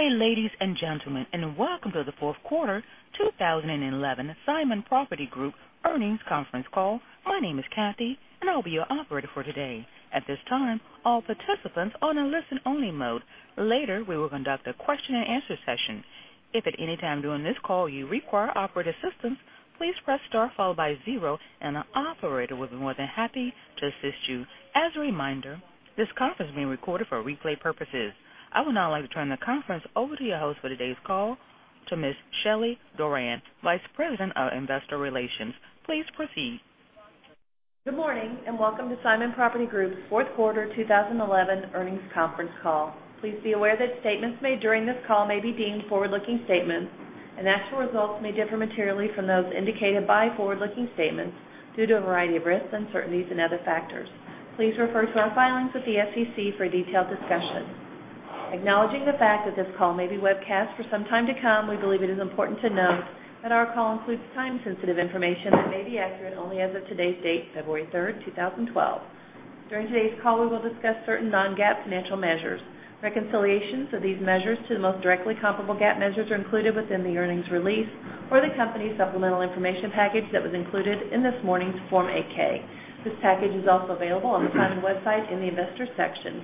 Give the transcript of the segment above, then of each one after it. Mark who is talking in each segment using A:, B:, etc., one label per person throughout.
A: Good day, ladies and gentlemen, and welcome to the fourth quarter 2011 Simon Property Group earnings conference call. My name is Cathy, and I'll be your operator for today. At this time, all participants are on a listen-only mode. Later, we will conduct a question and answer session. If at any time during this call you require operator assistance, please press star followed by zero, and an operator will be more than happy to assist you. As a reminder, this conference is being recorded for replay purposes. I would now like to turn the conference over to your host for today's call, to Miss Shelly Doran, Vice President of Investor Relations. Please proceed.
B: Good morning, and welcome to Simon Property Group's fourth quarter 2011 earnings conference call. Please be aware that statements made during this call may be deemed forward-looking statements, and actual results may differ materially from those indicated by forward-looking statements due to a variety of risks, uncertainties, and other factors. Please refer to our filings with the SEC for a detailed discussion. Acknowledging the fact that this call may be webcast for some time to come, we believe it is important to note that our call includes time-sensitive information and may be accurate only as of today's date, February 3, 2012. During today's call, we will discuss certain non-GAAP financial measures. Reconciliations of these measures to the most directly comparable GAAP measures are included within the earnings release or the company's supplemental information package that was included in this morning's Form 8-K. This package is also available on the Simon website in the investor section.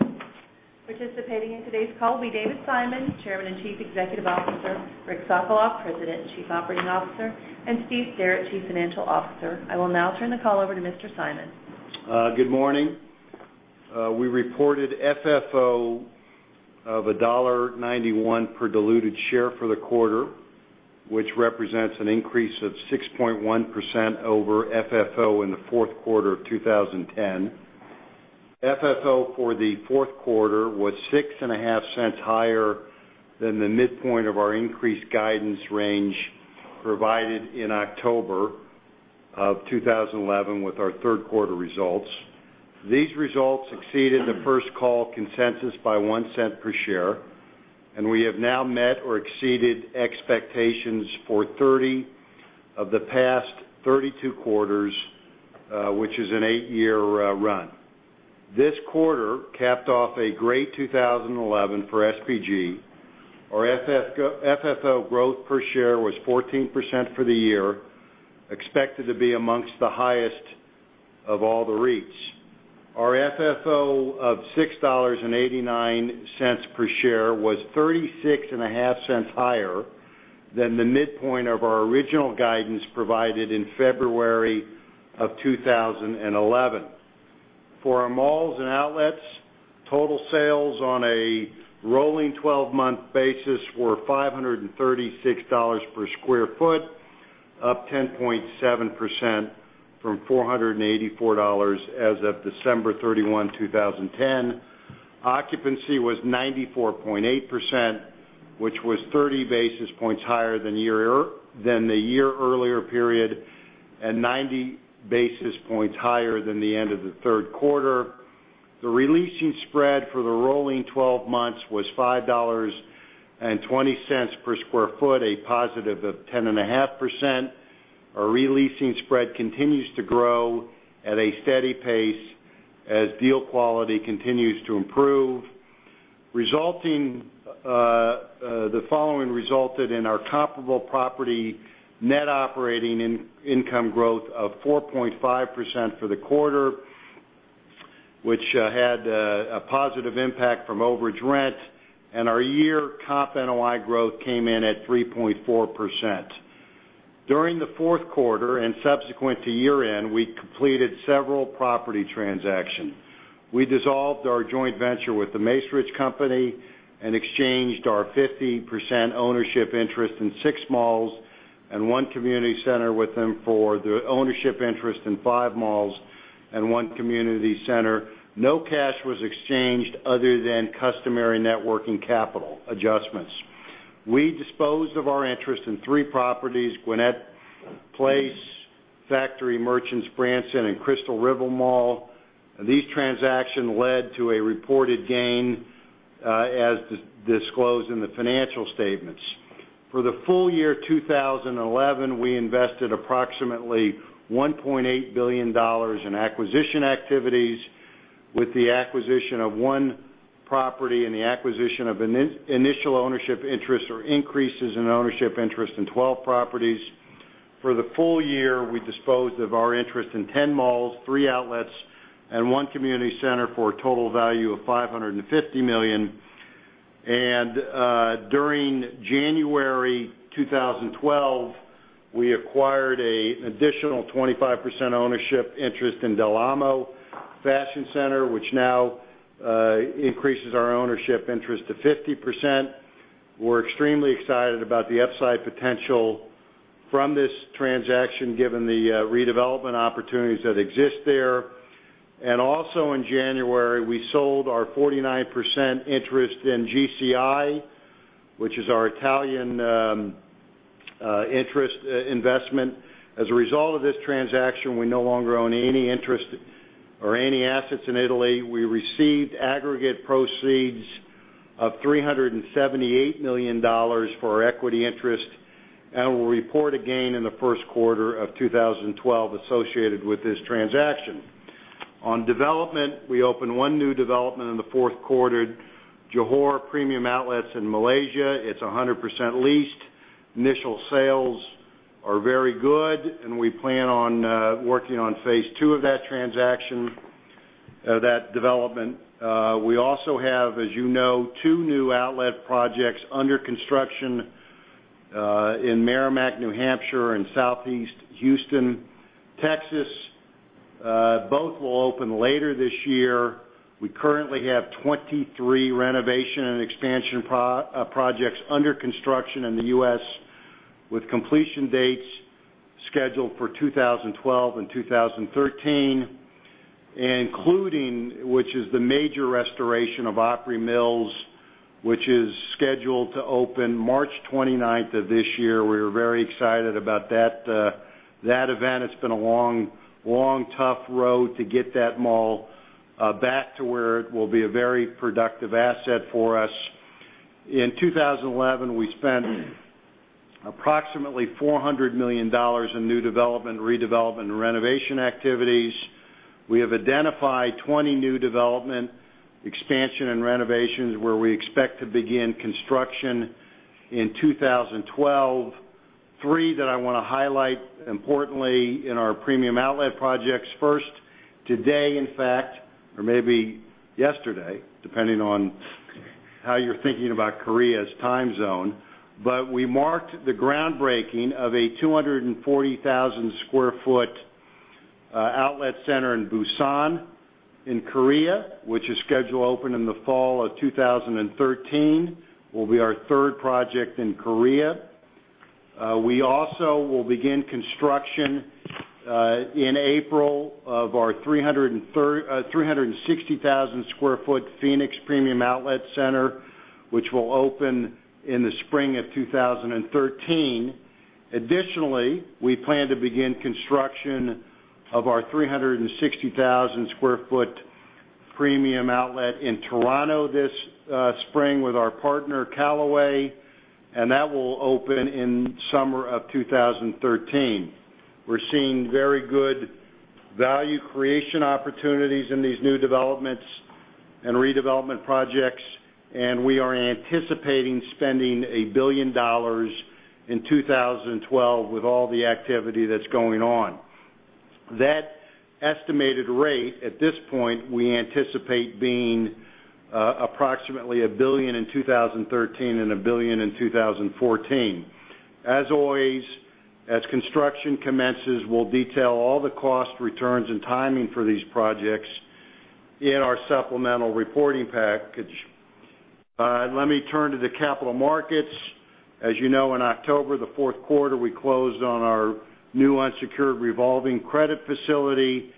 B: Participating in today's call will be David Simon, Chairman and Chief Executive Officer; Richard Sokolov, President and Chief Operating Officer; and Steve Sterrett, Chief Financial Officer. I will now turn the call over to Mr. Simon.
C: Good morning. We reported FFO of $1.91 per diluted share for the quarter, which represents an increase of 6.1% over FFO in the fourth quarter of 2010. FFO for the fourth quarter was $0.065 higher than the midpoint of our increased guidance range provided in October of 2011 with our third quarter results. These results exceeded the First Call consensus by $0.01 per share, and we have now met or exceeded expectations for 30 of the past 32 quarters, which is an eight-year run. This quarter capped off a great 2011 for SPG. Our FFO growth per share was 14% for the year, expected to be amongst the highest of all the REITs. Our FFO of $6.89 per share was $0.365 higher than the midpoint of our original guidance provided in February of 2011. For our malls and outlets, total sales on a rolling 12-month basis were $536 per square foot, up 10.7% from $484 as of December 31, 2010. Occupancy was 94.8%, which was 30 basis points higher than the year earlier period, and 90 basis points higher than the end of the third quarter. The releasing spread for the rolling 12 months was $5.20 per sq ft, a positive of 10.5%. Our releasing spread continues to grow at a steady pace as deal quality continues to improve. The following resulted in our comparable property net operating income growth of 4.5% for the quarter, which had a positive impact from overage rent, and our year comp NOI growth came in at 3.4%. During the fourth quarter and subsequent to year-end, we completed several property transactions. We dissolved our joint venture with The Macerich Company and exchanged our 50% ownership interest in six malls and one community center with them for the ownership interest in five malls and one community center. No cash was exchanged other than customary net working capital adjustments. We disposed of our interest in three properties: Gwinnett Place, Factory Merchants Branson, and Crystal River Mall. These transactions led to a reported gain, as disclosed in the financial statements. For the full year 2011, we invested approximately $1.8 billion in acquisition activities, with the acquisition of one property and the acquisition of initial ownership interest or increases in ownership interest in 12 properties. For the full year, we disposed of our interest in 10 malls, 3 outlets, and 1 community center for a total value of $550 million. During January 2012, we acquired an additional 25% ownership interest in Del Amo Fashion Center, which now increases our ownership interest to 50%. We're extremely excited about the upside potential from this transaction, given the redevelopment opportunities that exist there. Also in January, we sold our 49% interest in GCI, which is our Italian Interest Investment. As a result of this transaction, we no longer own any interest or any assets in Italy. We received aggregate proceeds of $378 million for our equity interest and will report a gain in the first quarter of 2012 associated with this transaction. On development, we opened one new development in the fourth quarter, Johor Premium Outlets in Malaysia. It's 100% leased. Initial sales are very good, and we plan on working on Phase 2 of that transaction, that development. We also have, as you know, two new outlet projects under construction in Merrimack, New Hampshire, and Southeast Houston, Texas. Both will open later this year. We currently have 23 renovation and expansion projects under construction in the U.S., with completion dates scheduled for 2012 and 2013, including the major restoration of Opry Mills, which is scheduled to open March 29th of this year. We're very excited about that event. It's been a long, long, tough road to get that mall back to where it will be a very productive asset for us. In 2011, we spent approximately $400 million in new development, redevelopment, and renovation activities. We have identified 20 new developments, expansion, and renovations where we expect to begin construction in 2012. Three that I want to highlight importantly in our premium outlet projects. First, today, in fact, or maybe yesterday, depending on how you're thinking about Korea's time zone, we marked the groundbreaking of a 240,000 sq ft outlet center in Busan in Korea, which is scheduled to open in the fall of 2013. It will be our third project in Korea. We also will begin construction in April of our 360,000 sq ft Phoenix Premium Outlet Center, which will open in the spring of 2013. Additionally, we plan to begin construction of our 360,000 sq ft Premium Outlet in Toronto this spring with our partner, Callaway, and that will open in the summer of 2013. We're seeing very good value creation opportunities in these new developments and redevelopment projects, and we are anticipating spending $1 billion in 2012 with all the activity that's going on. That estimated rate at this point, we anticipate being approximately $1 billion in 2013 and $1 billion in 2014. As always, as construction commences, we'll detail all the costs, returns, and timing for these projects in our supplemental reporting package. Let me turn to the capital markets. As you know, in October, the fourth quarter, we closed on our new unsecured revolving credit facility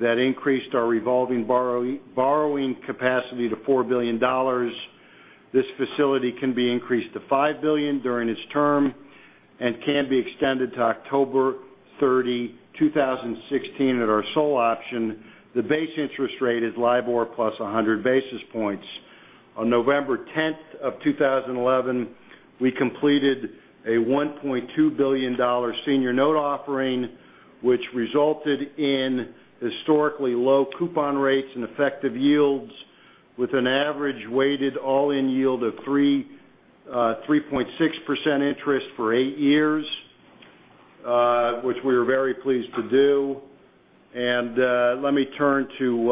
C: that increased our revolving borrowing capacity to $4 billion. This facility can be increased to $5 billion during its term and can be extended to October 30, 2016, at our sole option. The base interest rate is LIBOR + 100 basis points. On November 10, 2011, we completed a $1.2 billion senior note offering, which resulted in historically low coupon rates and effective yields, with an average weighted all-in yield of 3.6% interest for eight years, which we were very pleased to do. Let me turn to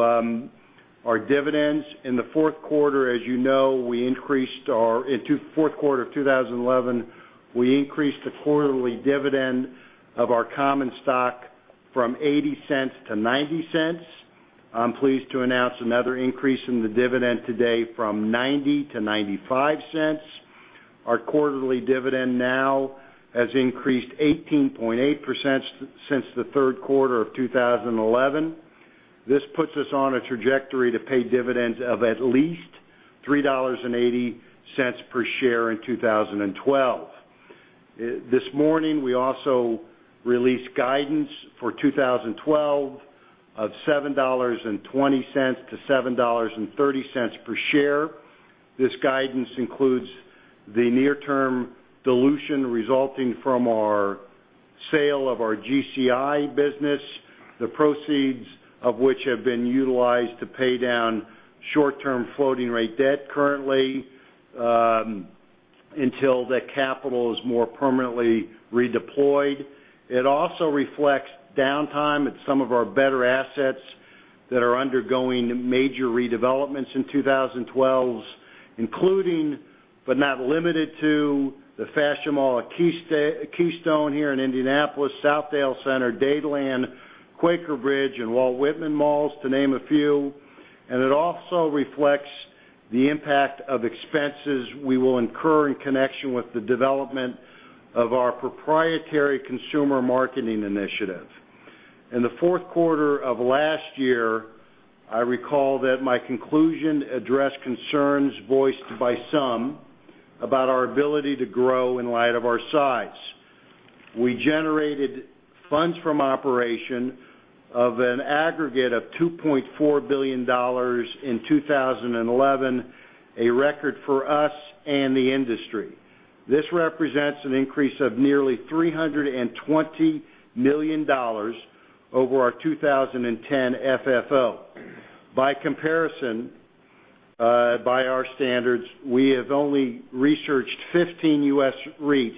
C: our dividends. In the fourth quarter of 2011, we increased the quarterly dividend of our common stock from $0.80-$0.90. I'm pleased to announce another increase in the dividend today from $0.90-$0.95. Our quarterly dividend now has increased 18.8% since the third quarter of 2011. This puts us on a trajectory to pay dividends of at least $3.80 per share in 2012. This morning, we also released guidance for 2012 of $7.20-$7.30 per share. This guidance includes the near-term dilution resulting from our sale of our GCI business, the proceeds of which have been utilized to pay down short-term floating rate debt currently until that capital is more permanently redeployed. It also reflects downtime at some of our better assets that are undergoing major redevelopments in 2012, including, but not limited to, the Fashion Mall at Keystone here in Indianapolis, Southdale Center, Dadeland, Quaker Bridge, and Walt Whitman Malls, to name a few. It also reflects the impact of expenses we will incur in connection with the development of our proprietary consumer marketing initiative. In the fourth quarter of last year, I recall that my conclusion addressed concerns voiced by some about our ability to grow in light of our size. We generated funds from operations of an aggregate of $2.4 billion in 2011, a record for us and the industry. This represents an increase of nearly $320 million over our 2010 FFO. By comparison, by our standards, we have only researched 15 U.S. REITs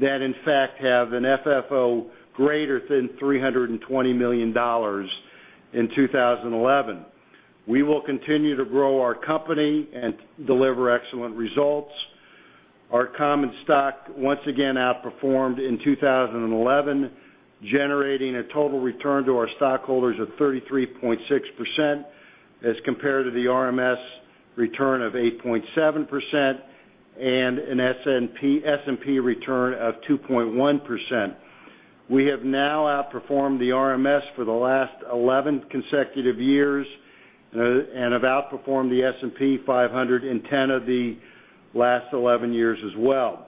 C: that, in fact, have an FFO greater than $320 million in 2011. We will continue to grow our company and deliver excellent results. Our common stock once again outperformed in 2011, generating a total return to our stockholders of 33.6% as compared to the RMS return of 8.7% and an S&P return of 2.1%. We have now outperformed the RMS for the last 11 consecutive years and have outperformed the S&P 500 in 10 of the last 11 years as well.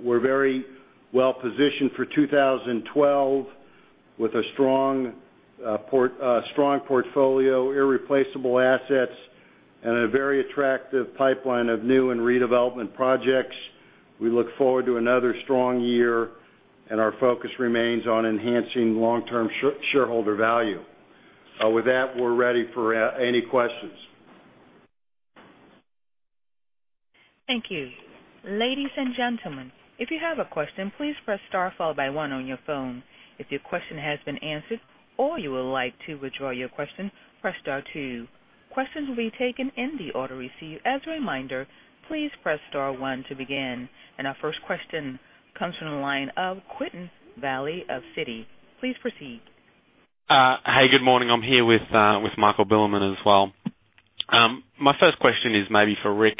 C: We're very well positioned for 2012 with a strong portfolio, irreplaceable assets, and a very attractive pipeline of new and redevelopment projects. We look forward to another strong year, and our focus remains on enhancing long-term shareholder value. With that, we're ready for any questions.
A: Thank you. Ladies and gentlemen, if you have a question, please press star followed by one on your phone. If your question has been answered or you would like to withdraw your question, press star two. Questions will be taken in the order received. As a reminder, please press star one to begin. Our first question comes from the line of Quentin Velleley of Citi. Please proceed.
D: Hey, good morning. I'm here with Michael Billiman as well. My first question is maybe for Rick.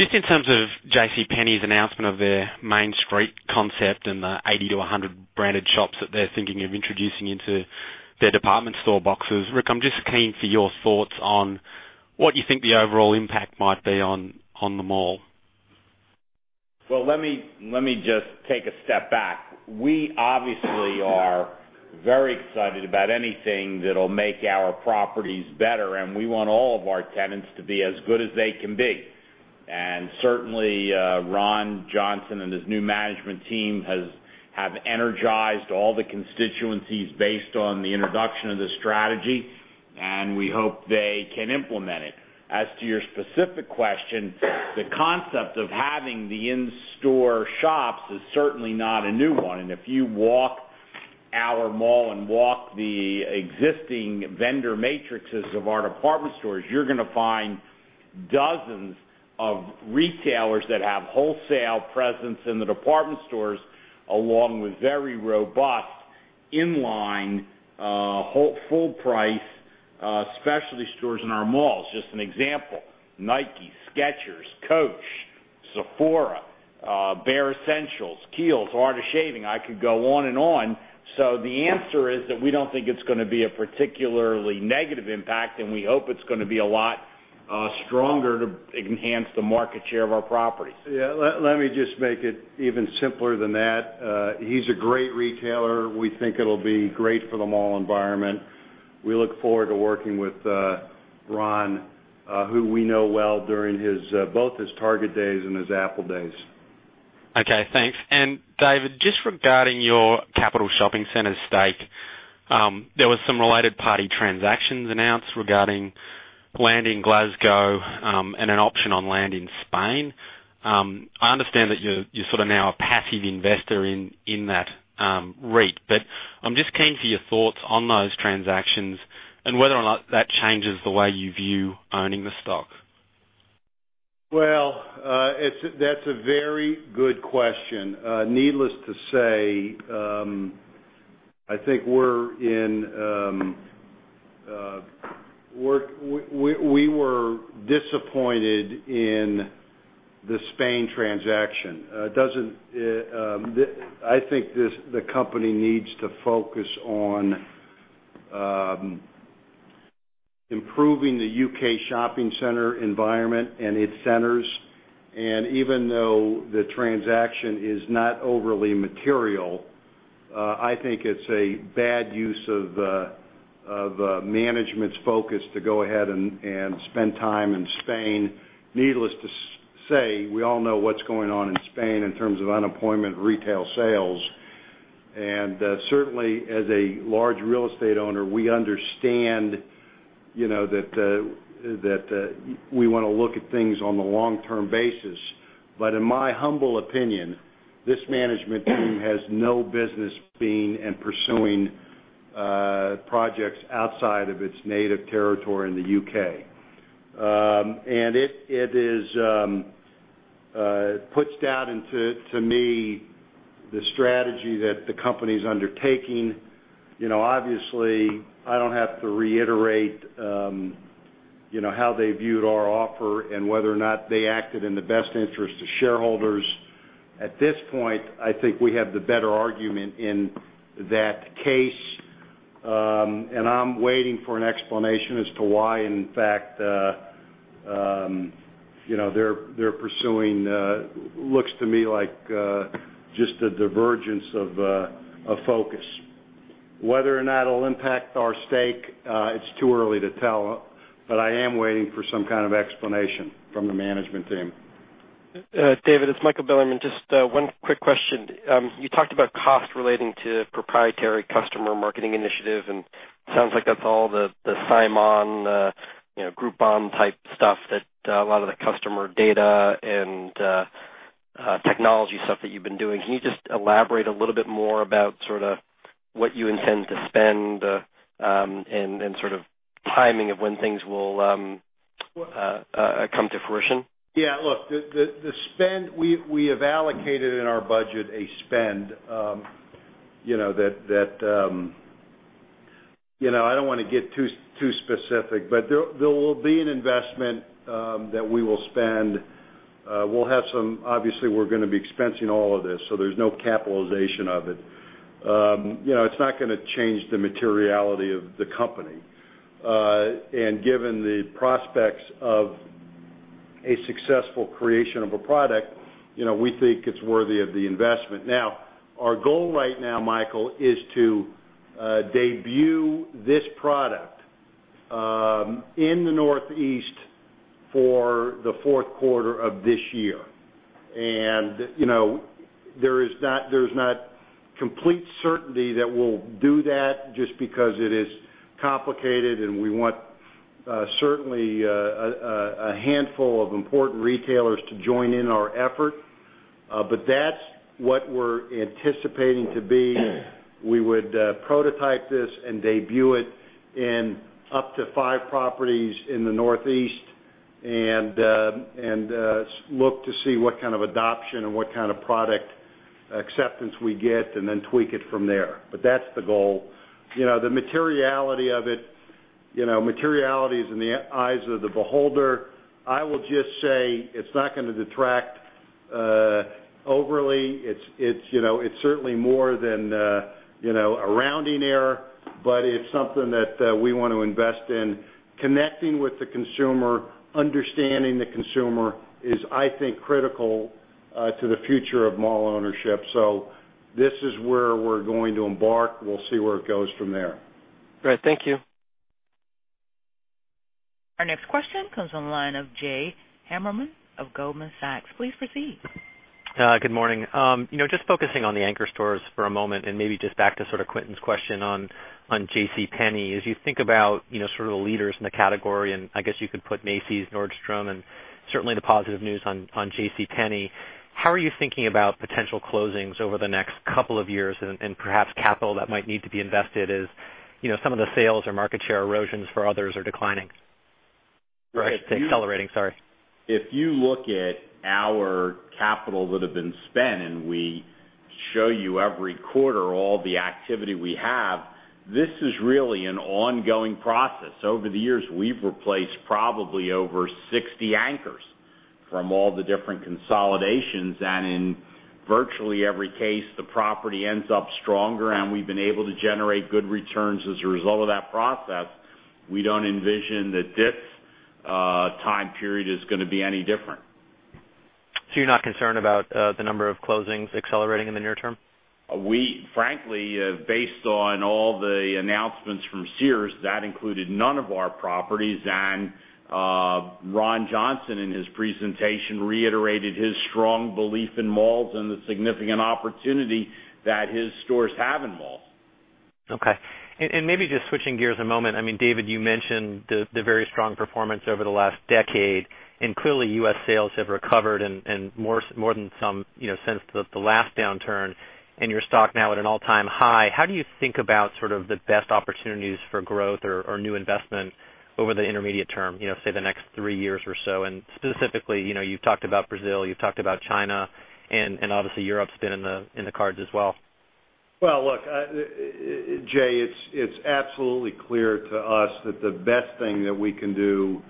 D: Just in terms of J.C. Penney's announcement of their Main Street concept and the 80-100 branded shops that they're thinking of introducing into their department store boxes, Rick, I'm just keen for your thoughts on what you think the overall impact might be on the mall.
E: Let me just take a step back. We obviously are very excited about anything that will make our properties better, and we want all of our tenants to be as good as they can be. Certainly, Ron Johnson and his new management team have energized all the constituencies based on the introduction of the strategy, and we hope they can implement it. As to your specific question, the concept of having the in-store shops is certainly not a new one. If you walk our mall and walk the existing vendor matrixes of our department stores, you're going to find dozens of retailers that have wholesale presence in the department stores, along with very robust in-line, full-price specialty stores in our malls. Just an example: Nike, Skechers, Coach, Sephora, Bare Essence, Kiehl's, The Art of Shaving. I could go on and on. The answer is that we don't think it's going to be a particularly negative impact, and we hope it's going to be a lot stronger to enhance the market share of our properties.
C: Yeah, let me just make it even simpler than that. He's a great retailer. We think it'll be great for the mall environment. We look forward to working with Ron, who we know well during both his Target days and his Apple days.
D: Okay, thanks. David, just regarding your Capital Shopping Center stake, there were some related party transactions announced regarding land in Glasgow and an option on land in Spain. I understand that you're sort of now a passive investor in that REIT, but I'm just keen for your thoughts on those transactions and whether or not that changes the way you view owning the stock.
C: That's a very good question. Needless to say, I think we were disappointed in the Spain transaction. I think the company needs to focus on improving the U.K. shopping center environment and its centers. Even though the transaction is not overly material, I think it's a bad use of management's focus to go ahead and spend time in Spain. Needless to say, we all know what's going on in Spain in terms of unemployment and retail sales. Certainly, as a large real estate owner, we understand that we want to look at things on the long-term basis. In my humble opinion, this management team has no business being and pursuing projects outside of its native territory in the U.K.. It puts doubt into, to me, the strategy that the company is undertaking. Obviously, I don't have to reiterate how they viewed our offer and whether or not they acted in the best interest of shareholders. At this point, I think we have the better argument in that case. I'm waiting for an explanation as to why, in fact, they're pursuing looks to me like just a divergence of focus. Whether or not it'll impact our stake, it's too early to tell, but I am waiting for some kind of explanation from the management team.
F: David, it's Michael Billiman. Just one quick question. You talked about cost relating to proprietary customer marketing initiative, and it sounds like that's all the Simon, Groupon type stuff that a lot of the customer data and technology stuff that you've been doing. Can you just elaborate a little bit more about sort of what you intend to spend and sort of timing of when things will come to fruition?
C: Yeah, look, the spend we have allocated in our budget a spend. I don't want to get too specific, but there will be an investment that we will spend. We'll have some, obviously, we're going to be expensing all of this, so there's no capitalization of it. It's not going to change the materiality of the company. Given the prospects of a successful creation of a product, we think it's worthy of the investment. Now, our goal right now, Michael, is to debut this product in the Northeast for the fourth quarter of this year. There is not complete certainty that we'll do that just because it is complicated, and we want certainly a handful of important retailers to join in our effort. That's what we're anticipating to be. We would prototype this and debut it in up to five properties in the Northeast and look to see what kind of adoption and what kind of product acceptance we get and then tweak it from there. That's the goal. The materiality of it, materiality is in the eyes of the beholder. I will just say it's not going to detract overly. It's certainly more than a rounding error, but it's something that we want to invest in. Connecting with the consumer, understanding the consumer is, I think, critical to the future of mall ownership. This is where we're going to embark. We'll see where it goes from there.
F: Great. Thank you.
A: Our next question comes from the line of Jay Hammerman of Goldman Sachs. Please proceed.
G: Good morning. You know, just focusing on the anchor stores for a moment and maybe just back to sort of Quentin's question on J.C. Penney. As you think about sort of the leaders in the category, and I guess you could put Macy's, Nordstrom, and certainly the positive news on J.C. Penney, how are you thinking about potential closings over the next couple of years and perhaps capital that might need to be invested as some of the sales or market share erosions for others are declining?
C: Right.
G: Accelerating, sorry.
E: If you look at our capital that have been spent, and we show you every quarter all the activity we have, this is really an ongoing process. Over the years, we've replaced probably over 60 anchors from all the different consolidations. In virtually every case, the property ends up stronger, and we've been able to generate good returns as a result of that process. We don't envision that this time period is going to be any different.
G: You're not concerned about the number of closings accelerating in the near term?
E: We, frankly, based on all the announcements from Sears, that included none of our properties. Ron Johnson in his presentation reiterated his strong belief in malls and the significant opportunity that his stores have in malls.
G: Okay. Maybe just switching gears a moment. I mean, David, you mentioned the very strong performance over the last decade, and clearly U.S. sales have recovered and more than some since the last downturn, and your stock now at an all-time high. How do you think about sort of the best opportunities for growth or new investment over the intermediate term, say the next three years or so? Specifically, you've talked about Brazil, you've talked about China, and obviously Europe's been in the cards as well.
C: Jay, it's absolutely clear to us that the best thing that we can do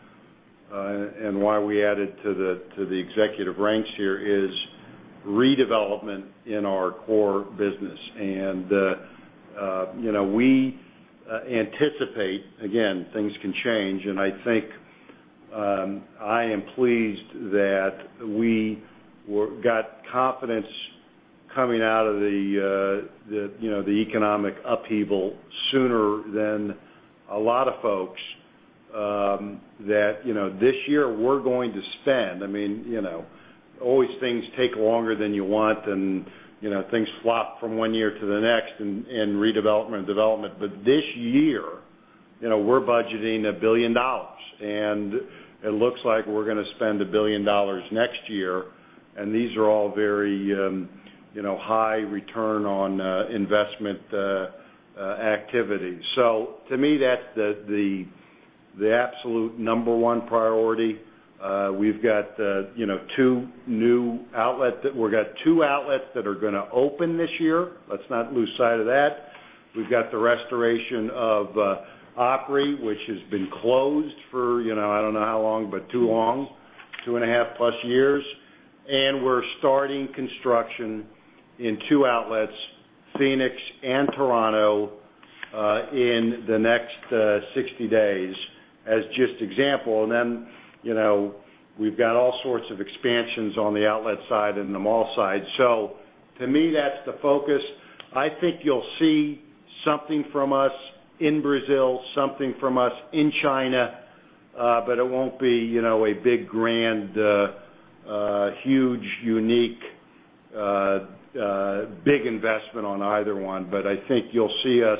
C: and why we added to the executive ranks here is redevelopment in our core business. We anticipate, again, things can change. I am pleased that we got confidence coming out of the economic upheaval sooner than a lot of folks that this year we're going to spend. I mean, you know, always things take longer than you want, and things flop from one year to the next in redevelopment and development. This year, we're budgeting $1 billion, and it looks like we're going to spend $1 billion next year. These are all very high return on investment activities. To me, that's the absolute number one priority. We've got two new outlets that we're going to open this year. Let's not lose sight of that. We've got the restoration of Opry, which has been closed for, I don't know how long, but too long, 2.5+ years. We're starting construction in two outlets, Phoenix and Toronto, in the next 60 days as just an example. We've got all sorts of expansions on the outlet side and the mall side. To me, that's the focus. I think you'll see something from us in Brazil, something from us in China, but it won't be a big grand, huge, unique, big investment on either one. I think you'll see us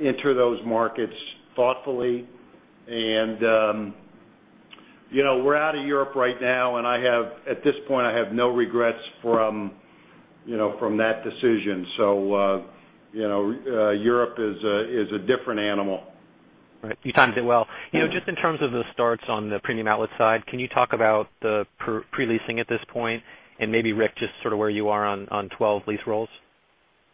C: enter those markets thoughtfully. We're out of Europe right now, and at this point, I have no regrets from that decision. Europe is a different animal.
G: Right. You timed it well. You know, just in terms of the starts on the premium outlet side, can you talk about the pre-leasing at this point, and maybe, Rick, just sort of where you are on 12 lease rolls?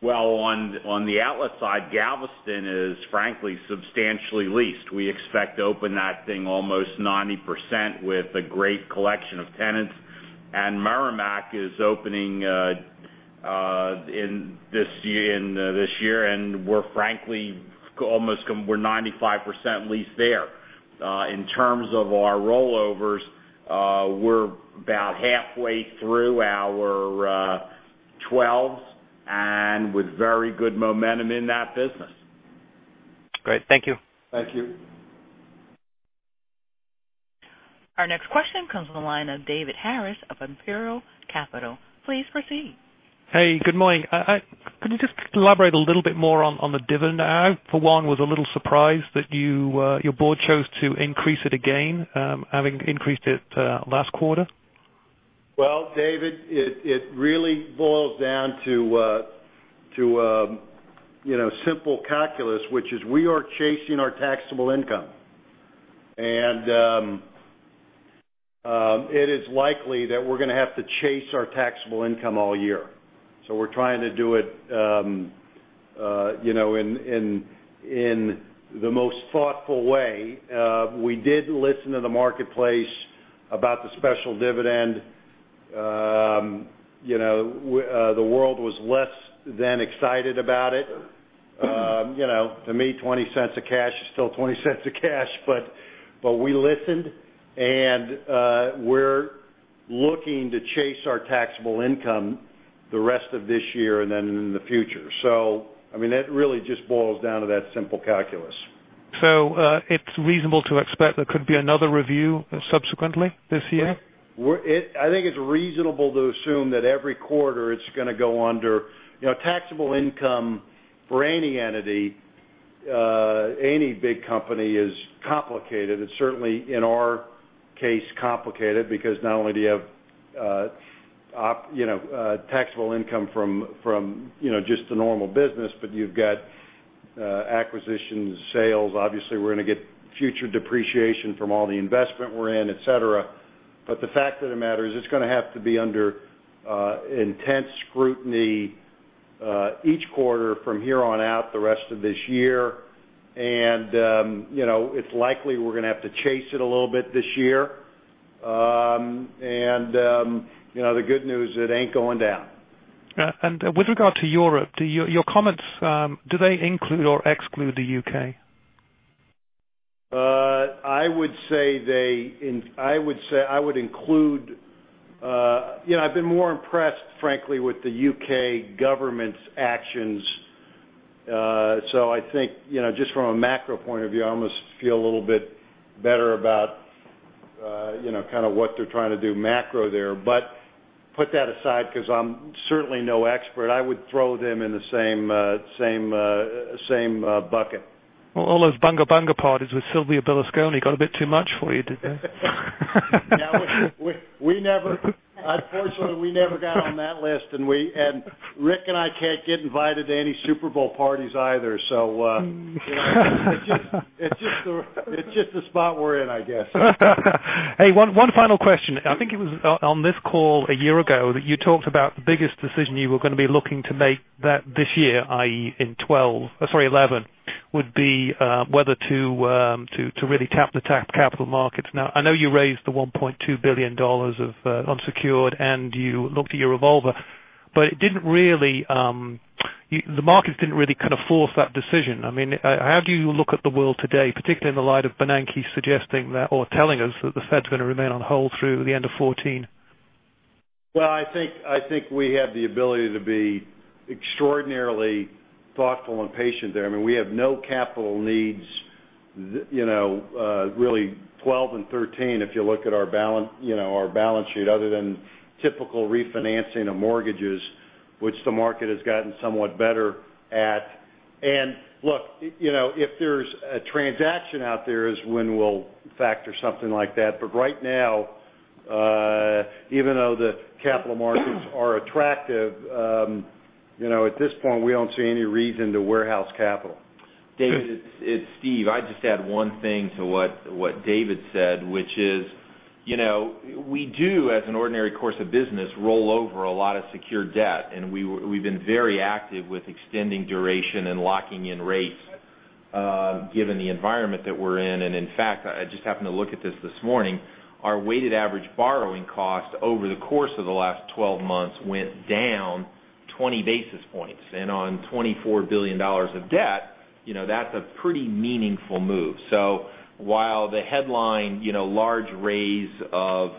E: On the outlet side, Galveston is frankly substantially leased. We expect to open that thing almost 90% with a great collection of tenants. Merrimack is opening this year, and we're frankly almost, we're 95% leased there. In terms of our rollovers, we're about halfway through our 12s with very good momentum in that business.
G: Great. Thank you.
C: Thank you.
A: Our next question comes from the line of David Harris of Imperial Capital. Please proceed.
H: Hey, good morning. Could you just elaborate a little bit more on the dividend? I for one was a little surprised that your board chose to increase it again, having increased it last quarter.
C: David, it really boils down to simple calculus, which is we are chasing our taxable income. It is likely that we're going to have to chase our taxable income all year. We're trying to do it in the most thoughtful way. We did listen to the marketplace about the special dividend. The world was less than excited about it. To me, $0.20 of cash is still $0.20 of cash. We listened, and we're looking to chase our taxable income the rest of this year and then in the future. It really just boils down to that simple calculus.
H: It's reasonable to expect there could be another review subsequently this year?
C: I think it's reasonable to assume that every quarter it's going to go under. Taxable income for any entity, any big company is complicated. It's certainly, in our case, complicated because not only do you have taxable income from just the normal business, but you've got acquisitions, sales. Obviously, we're going to get future depreciation from all the investment we're in, etc. The fact of the matter is it's going to have to be under intense scrutiny each quarter from here on out the rest of this year. You know, it's likely we're going to have to chase it a little bit this year. The good news is it ain't going down.
H: With regard to Europe, do your comments include or exclude the U.K.?
C: I would say I would include, you know, I've been more impressed, frankly, with the U.K. government's actions. I think, you know, just from a macro point of view, I almost feel a little bit better about, you know, kind of what they're trying to do macro there. Put that aside because I'm certainly no expert. I would throw them in the same bucket.
H: All those bunga bunga parties with Silvio Berlusconi got a bit too much for you, didn't they?
C: Unfortunately, we never got on that list. Rick and I can't get invited to any Super Bowl parties either. It's just the spot we're in, I guess.
H: Hey, one final question. I think it was on this call a year ago that you talked about the biggest decision you were going to be looking to make this year, i.e., in 2012, sorry, 2011, would be whether to really tap the capital markets. Now, I know you raised the $1.2 billion of unsecured and you looked at your revolver, but it didn't really, the markets didn't really kind of force that decision. I mean, how do you look at the world today, particularly in the light of Bernanke suggesting that or telling us that the Fed's going to remain on hold through the end of 2014?
C: I think we have the ability to be extraordinarily thoughtful and patient there. I mean, we have no capital needs, you know, really 2012 and 2013, if you look at our balance sheet, other than typical refinancing of mortgages, which the market has gotten somewhat better at. If there's a transaction out there is when we'll factor something like that. Right now, even though the capital markets are attractive, you know, at this point, we don't see any reason to warehouse capital.
I: David, it's Steve. I'd just add one thing to what David said, which is, you know, we do, as an ordinary course of business, roll over a lot of secured debt. We've been very active with extending duration and locking in rates, given the environment that we're in. In fact, I just happened to look at this this morning. Our weighted average borrowing cost over the course of the last 12 months went down 20 basis points. On $24 billion of debt, you know, that's a pretty meaningful move. While the headline, you know, large raise of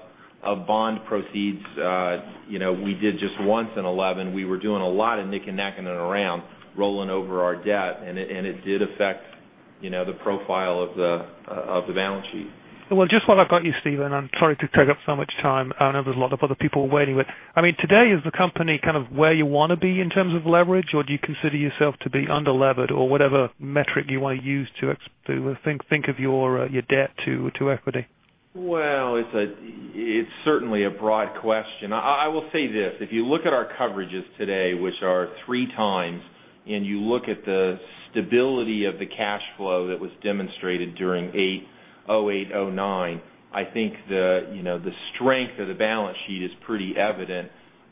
I: bond proceeds, you know, we did just once in 2011, we were doing a lot of nick and necking and around rolling over our debt, and it did affect, you know, the profile of the balance sheet.
H: Steve, I'm sorry to take up so much time. I know there's a lot of other people waiting. Today, is the company kind of where you want to be in terms of leverage, or do you consider yourself to be underlevered or whatever metric you want to use to think of your debt to equity?
I: It is certainly a broad question. I will say this. If you look at our coverages today, which are 3x, and you look at the stability of the cash flow that was demonstrated during 2008, 2009, I think the strength of the balance sheet is pretty evident,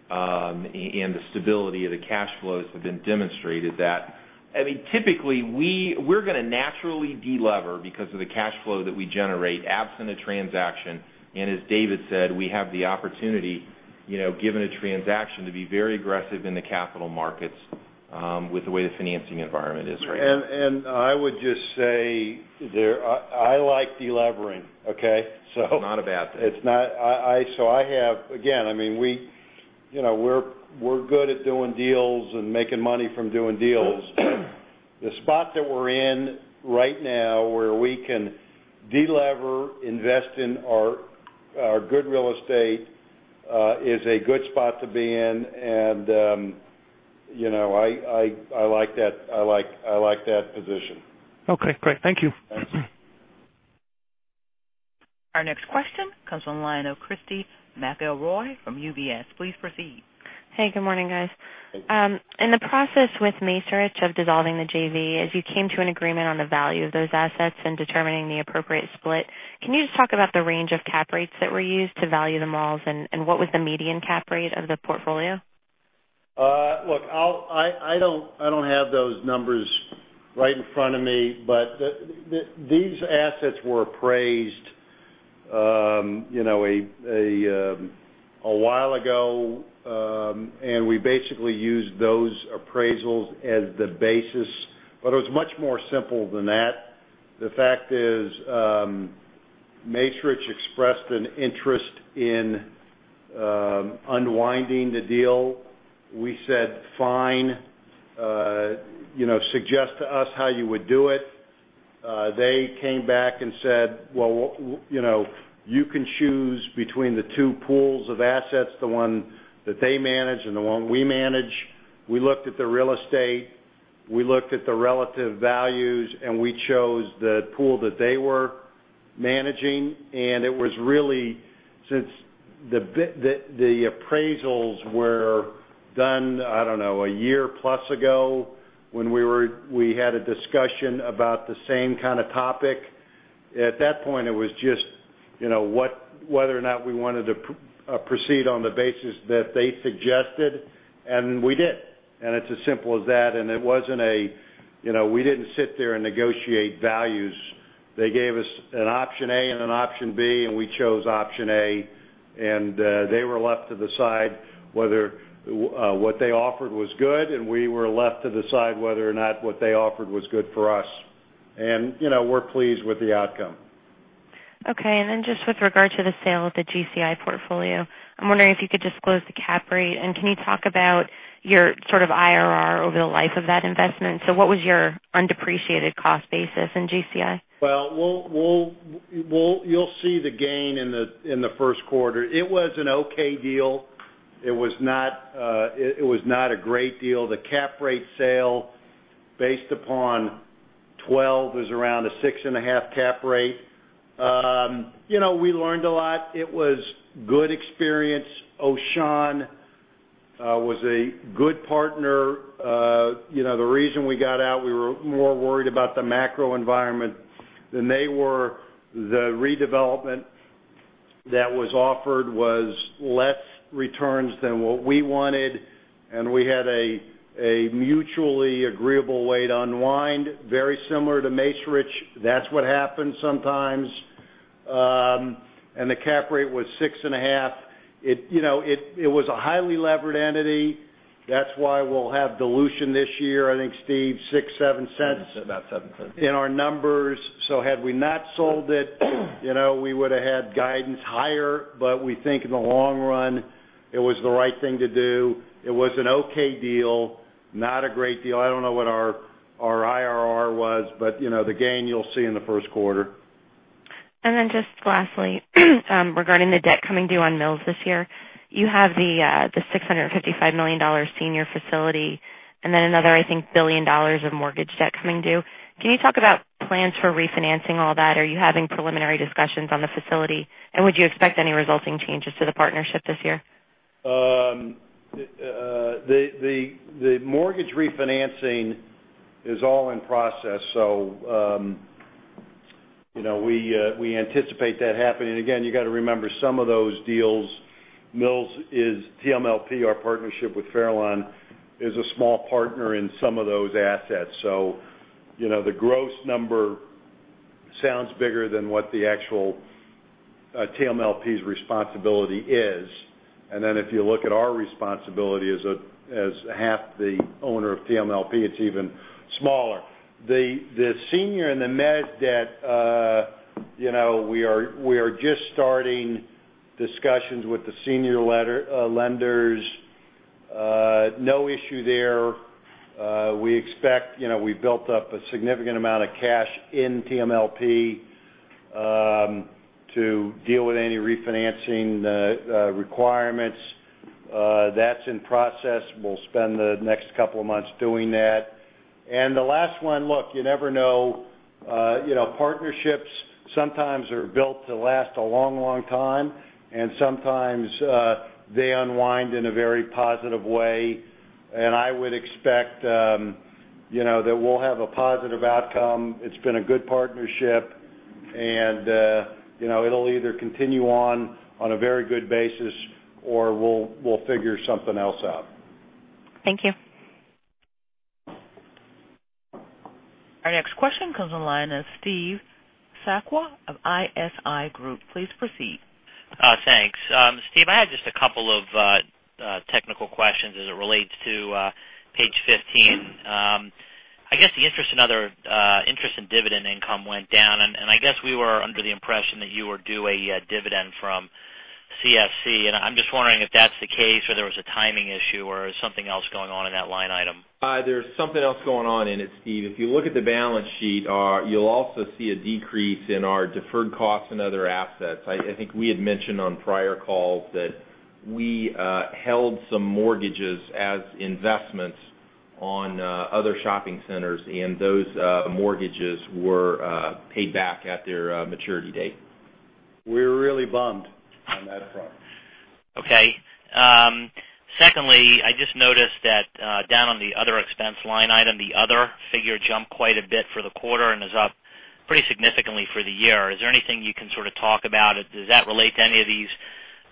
I: and the stability of the cash flows has been demonstrated. I mean, typically, we are going to naturally delever because of the cash flow that we generate absent a transaction. As David said, we have the opportunity, given a transaction, to be very aggressive in the capital markets with the way the financing environment is right now.
C: I would just say, I like deleveraging, okay.
I: Not bad.
C: I mean, we, you know, we're good at doing deals and making money from doing deals. The spot that we're in right now where we can delever, invest in our good real estate is a good spot to be in. You know, I like that. I like that position.
H: Okay, great. Thank you.
A: Our next question comes from the line of Christy McElroy from UBS. Please proceed.
J: Hey, good morning, guys. In the process with The Macerich Company of dissolving the JV, as you came to an agreement on the value of those assets and determining the appropriate split, can you just talk about the range of cap rates that were used to value the malls and what was the median cap rate of the portfolio?
C: Look, I don't have those numbers right in front of me, but these assets were appraised a while ago, and we basically used those appraisals as the basis, but it was much more simple than that. The fact is, Macerich expressed an interest in unwinding the deal. We said, "Fine, suggest to us how you would do it." They came back and said, "You can choose between the two pools of assets, the one that they manage and the one we manage." We looked at the real estate, we looked at the relative values, and we chose the pool that they were managing. Since the appraisals were done, I don't know, a year plus ago when we had a discussion about the same kind of topic. At that point, it was just whether or not we wanted to proceed on the basis that they suggested, and we did. It's as simple as that. It wasn't a, we didn't sit there and negotiate values. They gave us an option A and an option B, and we chose option A. They were left to decide whether what they offered was good, and we were left to decide whether or not what they offered was good for us. You know, we're pleased with the outcome.
J: Okay. With regard to the sale of the GCI portfolio, I'm wondering if you could disclose the cap rate. Can you talk about your sort of IRR over the life of that investment? What was your undepreciated cost basis in GCI?
C: You will see the gain in the first quarter. It was an okay deal. It was not a great deal. The cap rate sale based upon 2012 is around a 6.5% cap rate. You know, we learned a lot. It was a good experience. O'Shaun was a good partner. The reason we got out, we were more worried about the macro environment than they were. The redevelopment that was offered was less returns than what we wanted. We had a mutually agreeable way to unwind, very similar to Macerich. That is what happens sometimes. The cap rate was 6.5%. It was a highly levered entity. That is why we will have dilution this year. I think, Steve, $0.06, $0.07. In our numbers, had we not sold it, you know, we would have had guidance higher. We think in the long run, it was the right thing to do. It was an okay deal, not a great deal. I don't know what our IRR was, but you know, the gain you'll see in the first quarter.
J: Lastly, regarding the debt coming due on mills this year, you have the $655 million senior facility and then another, I think, $1 billion of mortgage debt coming due. Can you talk about plans for refinancing all that? Are you having preliminary discussions on the facility? Would you expect any resulting changes to the partnership this year?
C: The mortgage refinancing is all in process. You know, we anticipate that happening. You got to remember some of those deals, Mills is TMLP. Our partnership with Farallon is a small partner in some of those assets. The gross number sounds bigger than what the actual TMLP's responsibility is. If you look at our responsibility as half the owner of TMLP, it's even smaller. The senior and the mezz debt, we are just starting discussions with the senior lenders. No issue there. We expect, you know, we built up a significant amount of cash in TMLP to deal with any refinancing requirements. That's in process. We'll spend the next couple of months doing that. The last one, look, you never know. Partnerships sometimes are built to last a long, long time, and sometimes they unwind in a very positive way. I would expect that we'll have a positive outcome. It's been a good partnership, and it'll either continue on a very good basis or we'll figure something else out.
J: Thank you.
A: Our next question comes from the line of Steve Sakwa of ISI Group. Please proceed.
K: Thanks. Steve, I had just a couple of technical questions as it relates to Page 15. I guess the interest in other interest in dividend income went down, and I guess we were under the impression that you were due a dividend from CFC. I'm just wondering if that's the case or there was a timing issue or something else going on in that line item.
I: There's something else going on in it, Steve. If you look at the balance sheet, you'll also see a decrease in our deferred costs and other assets. I think we had mentioned on prior calls that we held some mortgages as investments on other shopping centers, and those mortgages were paid back at their maturity date.
C: We're really bummed on that front.
K: Okay. Secondly, I just noticed that down on the other expense line item, the other figure jumped quite a bit for the quarter and is up pretty significantly for the year. Is there anything you can sort of talk about? Does that relate to any of these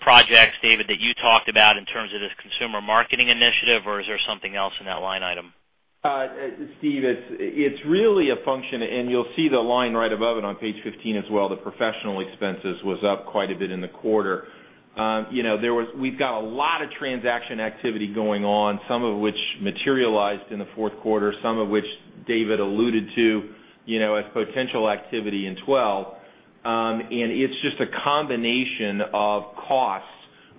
K: projects, David, that you talked about in terms of this consumer marketing initiative, or is there something else in that line item?
I: Steve, it's really a function, and you'll see the line right above it on page 15 as well. The professional expenses were up quite a bit in the quarter. We've got a lot of transaction activity going on, some of which materialized in the fourth quarter, some of which David alluded to as potential activity in 2012. It's just a combination of costs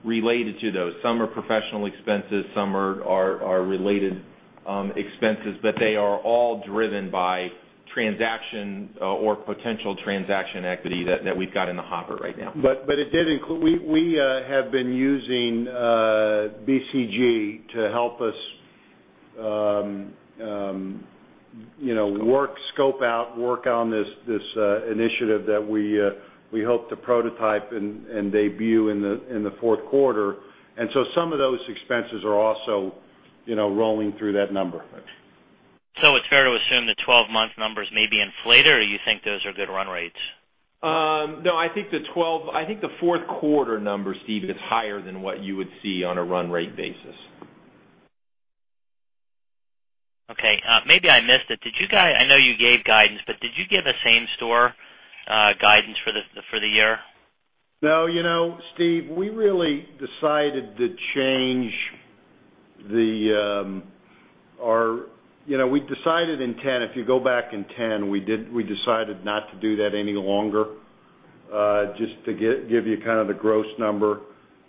I: related to those. Some are professional expenses, some are related expenses, but they are all driven by transaction or potential transaction equity that we've got in the hopper right now.
C: It did include, we have been using BCG to help us work scope out, work on this initiative that we hope to prototype and debut in the fourth quarter. Some of those expenses are also rolling through that number.
K: Is it fair to assume the 12-month numbers may be inflated, or do you think those are good run rates?
E: No, I think the 12, I think the fourth quarter number, Steve, is higher than what you would see on a run rate basis.
K: Okay. Maybe I missed it. Did you guys, I know you gave guidance, but did you give a same store guidance for the year?
C: No, Steve, we really decided to change our, we decided in 2010. If you go back in 2010, we decided not to do that any longer, just to give you kind of the gross number.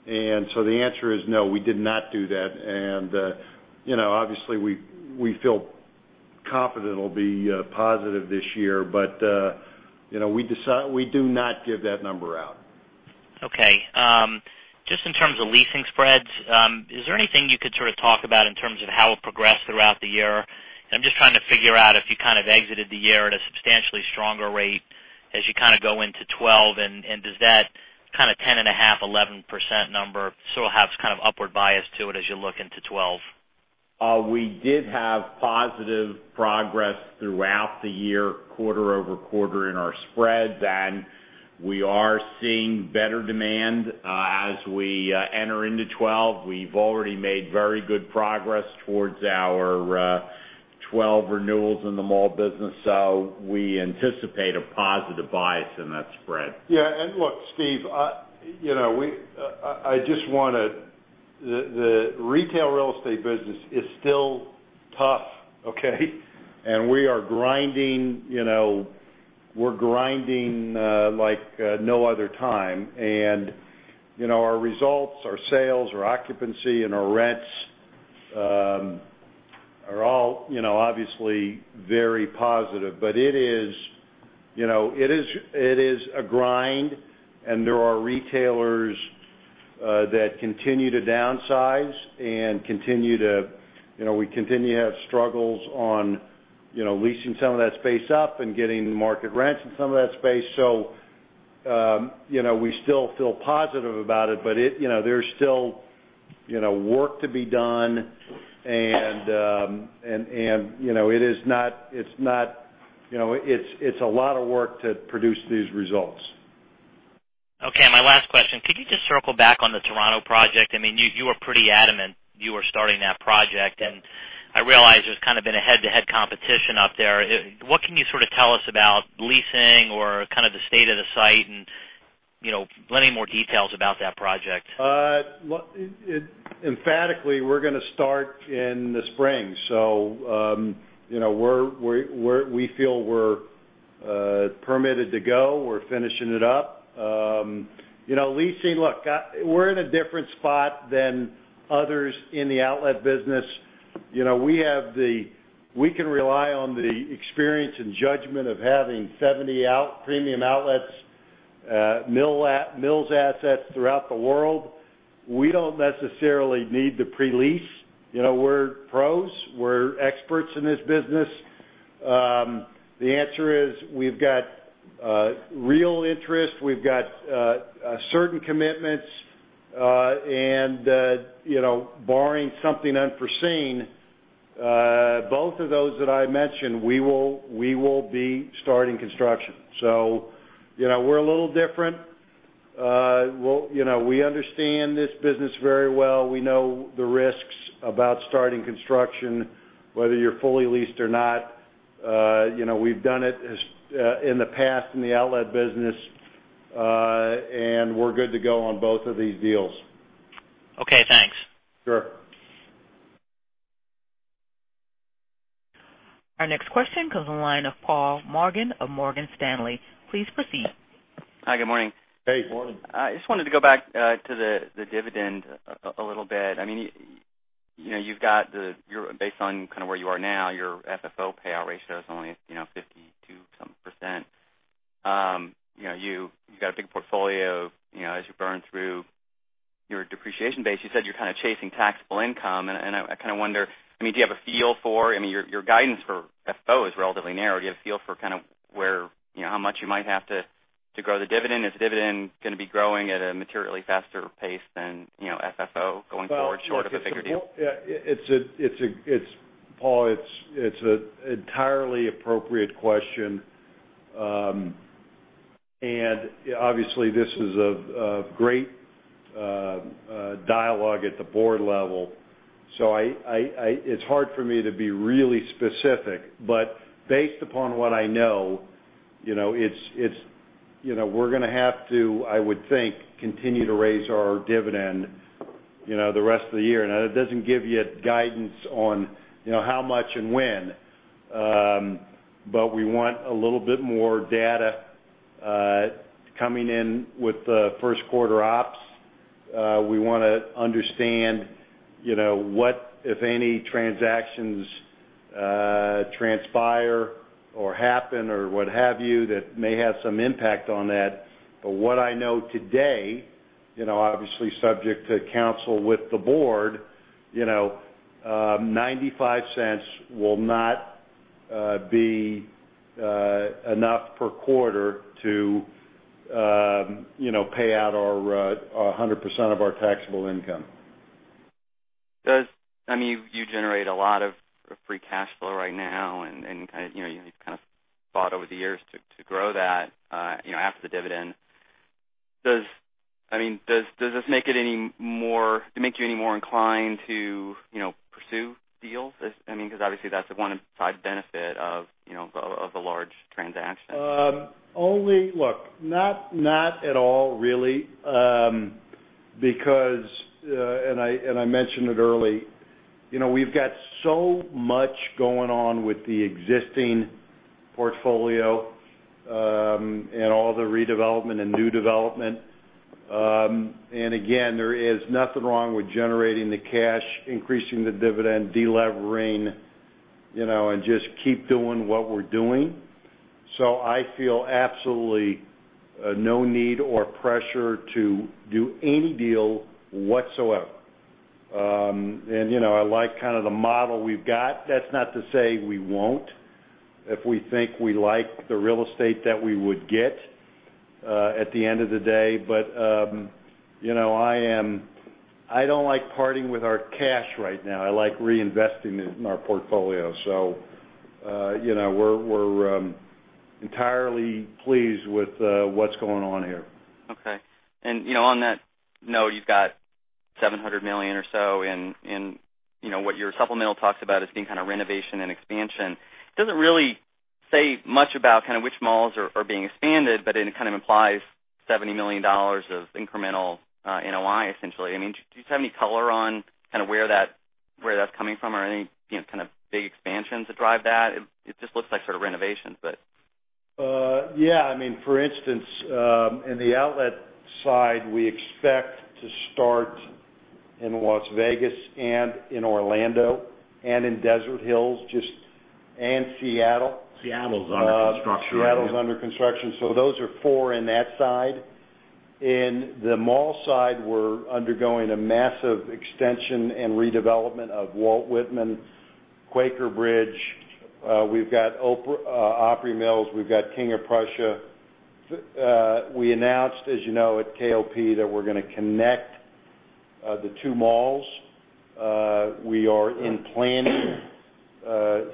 C: The answer is no, we did not do that. Obviously, we feel confident it'll be positive this year, but we do not give that number out.
K: Okay. Just in terms of leasing spreads, is there anything you could sort of talk about in terms of how it progressed throughout the year? I'm just trying to figure out if you kind of exited the year at a substantially stronger rate as you go into 2012. Does that kind of 10.5%, 11% number still have upward bias to it as you look into 2012?
I: We did have positive progress throughout the year, quarter-over-quarter in our spread. We are seeing better demand as we enter into 2012. We've already made very good progress towards our 2012 renewals in the mall business. We anticipate a positive bias in that spread.
C: Yeah. Look, Steve, I just want to, the retail real estate business is still tough, okay? We are grinding, we're grinding like no other time. Our results, our sales, our occupancy, and our rents are all obviously very positive. It is a grind, and there are retailers that continue to downsize and continue to, we continue to have struggles on leasing some of that space up and getting market rents in some of that space. We still feel positive about it, but there's still work to be done. It is not, it's not, it's a lot of work to produce these results.
K: Okay. My last question, could you just circle back on the Toronto project? I mean, you were pretty adamant you were starting that project. I realize there's kind of been a head-to-head competition up there. What can you sort of tell us about leasing or kind of the state of the site, and, you know, plenty more details about that project?
C: Emphatically, we're going to start in the spring. We feel we're permitted to go. We're finishing it up. Leasing, look, we're in a different spot than others in the outlet business. We can rely on the experience and judgment of having 70 premium outlets, Mills assets throughout the world. We don't necessarily need to pre-lease. We're pros. We're experts in this business. The answer is we've got real interest. We've got certain commitments. Barring something unforeseen, both of those that I mentioned, we will be starting construction. We're a little different. We understand this business very well. We know the risks about starting construction, whether you're fully leased or not. We've done it in the past in the outlet business, and we're good to go on both of these deals.
K: Okay, thanks.
C: Sure.
A: Our next question comes from the line of Paul Morgan of Morgan Stanley. Please proceed.
L: Hi, good morning.
C: Hey.
L: Good morning. I just wanted to go back to the dividend a little bit. I mean, you've got the, you're based on kind of where you are now, your FFO payout ratio is only 52% something. You've got a big portfolio. As you burn through your depreciation base, you said you're kind of chasing taxable income. I kind of wonder, do you have a feel for, I mean, your guidance for FFO is relatively narrow. Do you have a feel for kind of where, you know, how much you might have to grow the dividend? Is the dividend going to be growing at a materially faster pace than FFO going forward short of a bigger deal?
C: It's an entirely appropriate question. Obviously, this is a great dialogue at the board level. It's hard for me to be really specific. Based upon what I know, we're going to have to, I would think, continue to raise our dividend the rest of the year. It doesn't give you guidance on how much and when. We want a little bit more data coming in with the first quarter Ops. We want to understand what, if any, transactions transpire or happen or what have you that may have some impact on that. What I know today, obviously subject to counsel with the board, $0.95 will not be enough per quarter to pay out our 100% of our taxable income.
L: I mean, you generate a lot of free cash flow right now, and you've kind of fought over the years to grow that after the dividend. I mean, does this make it any more, does it make you any more inclined to pursue deals? I mean, because obviously that's a one-side benefit of a large transaction.
C: Not at all really, because, as I mentioned early, we've got so much going on with the existing portfolio and all the redevelopment and new development. There is nothing wrong with generating the cash, increasing the dividend, delevering, and just keep doing what we're doing. I feel absolutely no need or pressure to do any deal whatsoever. I like kind of the model we've got. That's not to say we won't if we think we like the real estate that we would get at the end of the day. I don't like parting with our cash right now. I like reinvesting in our portfolio. We're entirely pleased with what's going on here.
L: Okay. On that note, you've got $700 million or so in what your supplemental talks about as being kind of renovation and expansion. It doesn't really say much about which malls are being expanded, but it kind of implies $70 million of incremental NOI, essentially. Do you have any color on where that's coming from or any big expansions that drive that? It just looks like renovations, but.
C: Yeah. I mean, for instance, in the outlet side, we expect to start in Las Vegas, in Orlando, in Desert Hills, and Seattle.
L: Seattle is under construction.
C: Seattle's under construction. Those are four in that side. In the mall side, we're undergoing a massive extension and redevelopment of Walt Whitman, Quaker Bridge. We've got Opry Mills. We've got King of Prussia. We announced, as you know, at KLP that we're going to connect the two malls. We are in planning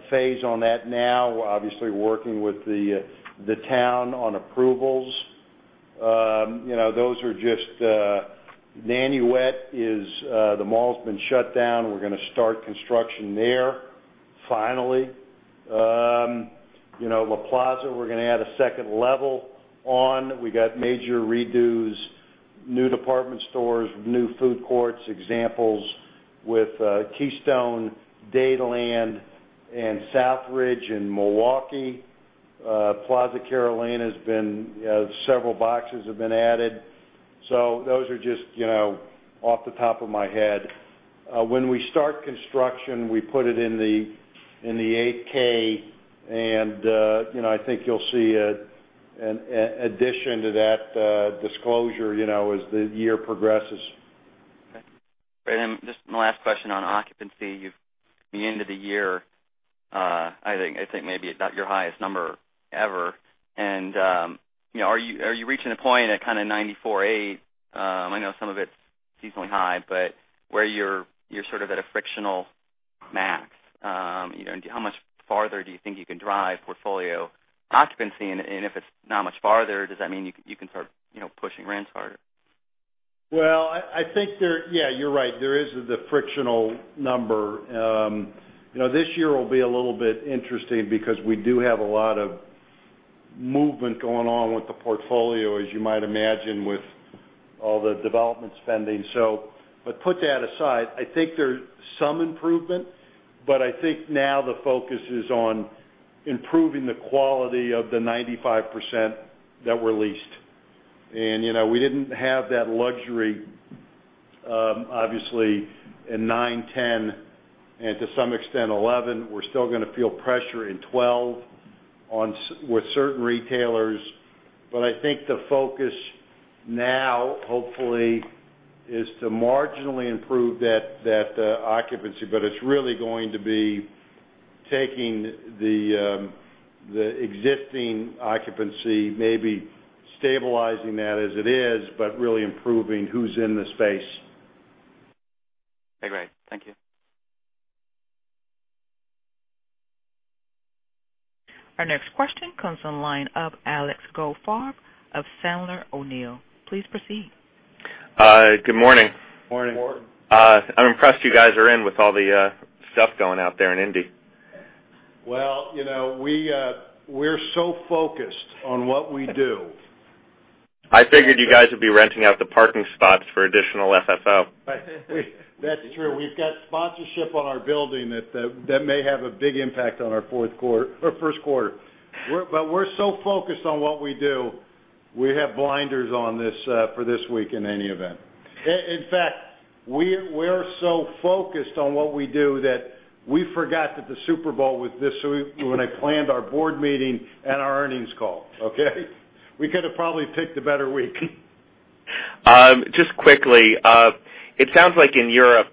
C: phase on that now. We're obviously working with the town on approvals. Those are just, Nanuet is the mall's been shut down. We're going to start construction there, finally. La Plaza, we're going to add a second level on. We got major redos, new department stores, new food courts, examples with Keystone, Dataland, and Southridge in MilwaU.K.ee. Plaza Carolina has been, several boxes have been added. Those are just, off the top of my head. When we start construction, we put it in the 8K, and I think you'll see an addition to that disclosure as the year progresses.
L: Okay. Great. Just my last question on occupancy. At the end of the year, I think maybe not your highest number ever. You know, are you reaching a point at kind of 94.8%? I know some of it's seasonally high, but where you're sort of at a frictional max. How much farther do you think you can drive portfolio occupancy? If it's not much farther, does that mean you can start pushing rents harder?
C: I think there, yeah, you're right. There is the frictional number. This year will be a little bit interesting because we do have a lot of movement going on with the portfolio, as you might imagine, with all the development spending. Put that aside, I think there's some improvement, but I think now the focus is on improving the quality of the 95% that were leased. You know, we didn't have that luxury, obviously, in 2009, 2010, and to some extent 2011. We're still going to feel pressure in 2012 with certain retailers. I think the focus now, hopefully, is to marginally improve that occupancy, but it's really going to be taking the existing occupancy, maybe stabilizing that as it is, but really improving who's in the space.
L: I agree. Thank you.
A: Our next question comes from the line of Alexander Goldfarb of Sandler O'Neill. Please proceed.
M: Good morning.
C: Morning.
M: I'm impressed you guys are in with all the stuff going on out there in Indy.
C: We are so focused on what we do.
M: I figured you guys would be renting out the parking spots for additional FFO.
C: That's true. We've got sponsorship on our building that may have a big impact on our fourth quarter or first quarter. We're so focused on what we do, we have blinders on this for this week in any event. In fact, we're so focused on what we do that we forgot that the Super Bowl was this week when I planned our board meeting and our earnings call, okay? We could have probably picked a better week.
M: Just quickly, it sounds like in Europe,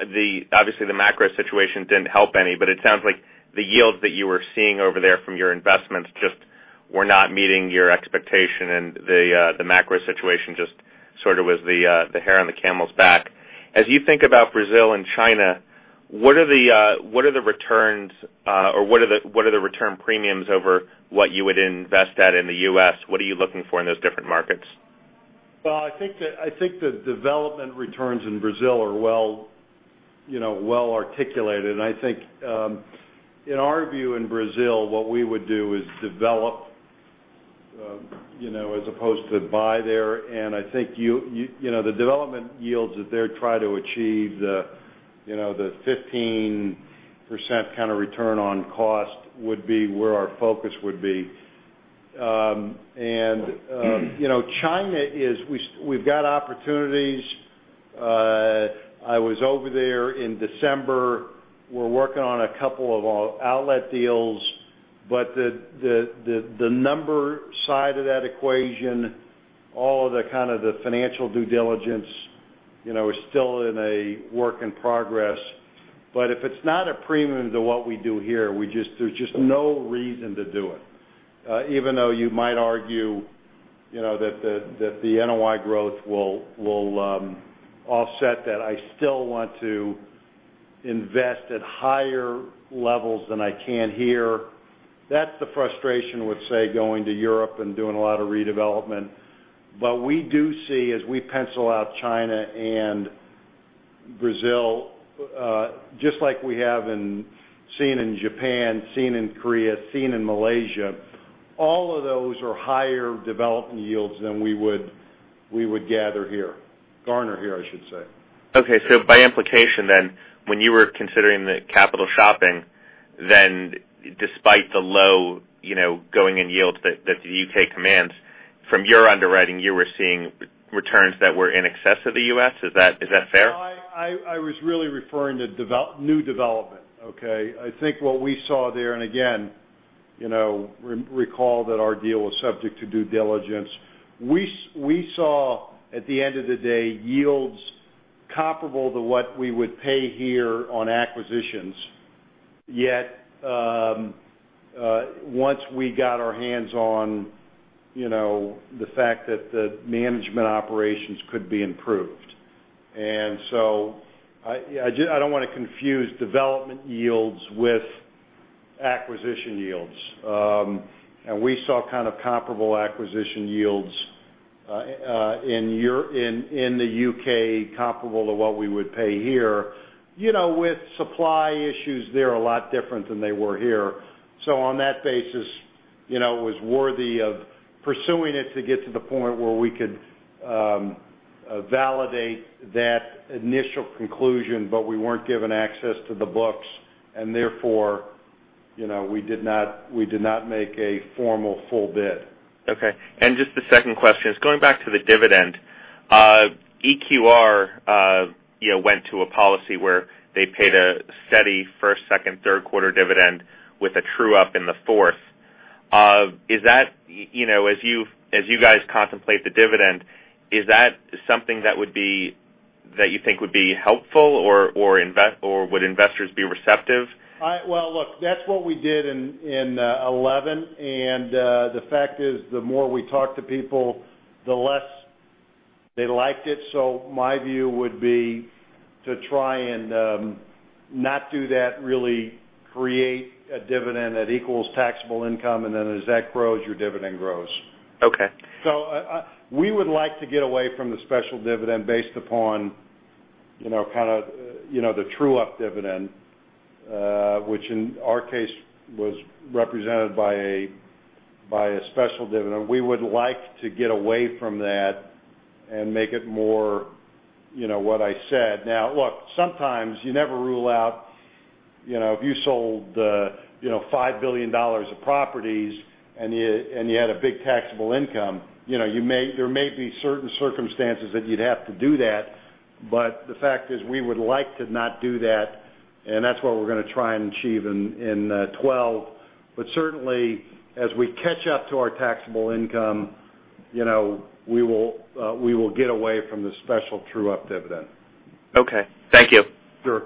M: obviously, the macro situation didn't help any, but it sounds like the yields that you were seeing over there from your investments just were not meeting your expectation, and the macro situation just sort of was the hair on the camel's back. As you think about Brazil and China, what are the returns or what are the return premiums over what you would invest at in the U.S.? What are you looking for in those different markets?
C: I think the development returns in Brazil are well articulated. I think in our view in Brazil, what we would do is develop, as opposed to buy there. I think the development yields that they're trying to achieve, the 15% kind of return on cost, would be where our focus would be. China is, we've got opportunities. I was over there in December. We're working on a couple of outlet deals, but the number side of that equation, all of the financial due diligence, is still a work in progress. If it's not a premium to what we do here, there's just no reason to do it. Even though you might argue that the NOI growth will offset that, I still want to invest at higher levels than I can here. That's the frustration with, say, going to Europe and doing a lot of redevelopment. We do see, as we pencil out China and Brazil, just like we have seen in Japan, seen in Korea, seen in Malaysia, all of those are higher development yields than we would gather here, Garner here, I should say.
M: By implication, when you were considering the capital shopping, despite the low, you know, going in yields that the U.K. commands, from your underwriting, you were seeing returns that were in excess of the U.S. Is that fair?
C: I was really referring to new development, okay? I think what we saw there, and again, recall that our deal was subject to due diligence. We saw, at the end of the day, yields comparable to what we would pay here on acquisitions, yet once we got our hands on the fact that the management operations could be improved. I don't want to confuse development yields with acquisition yields. We saw kind of comparable acquisition yields in the U.K. comparable to what we would pay here. With supply issues, they're a lot different than they were here. On that basis, it was worthy of pursuing it to get to the point where we could validate that initial conclusion, but we weren't given access to the books, and therefore, we did not make a formal full bid.
M: Okay. Just the second question is going back to the dividend. EQR, you know, went to a policy where they paid a steady first, second, third quarter dividend with a true up in the fourth. Is that, you know, as you guys contemplate the dividend, is that something that would be that you think would be helpful or would investors be receptive?
C: That's what we did in 2011. The fact is, the more we talked to people, the less they liked it. My view would be to try and not do that, really create a dividend that equals taxable income, and then as that grows, your dividend grows.
M: Okay.
C: We would like to get away from the special dividend based upon the true-up dividend, which in our case was represented by a special dividend. We would like to get away from that and make it more what I said. Now, look, sometimes you never rule out, if you sold $5 billion of properties and you had a big taxable income, there may be certain circumstances that you'd have to do that. The fact is, we would like to not do that. That's what we're going to try and achieve in 2012. Certainly, as we catch up to our taxable income, we will get away from the special true-up dividend.
M: Okay, thank you.
C: Sure.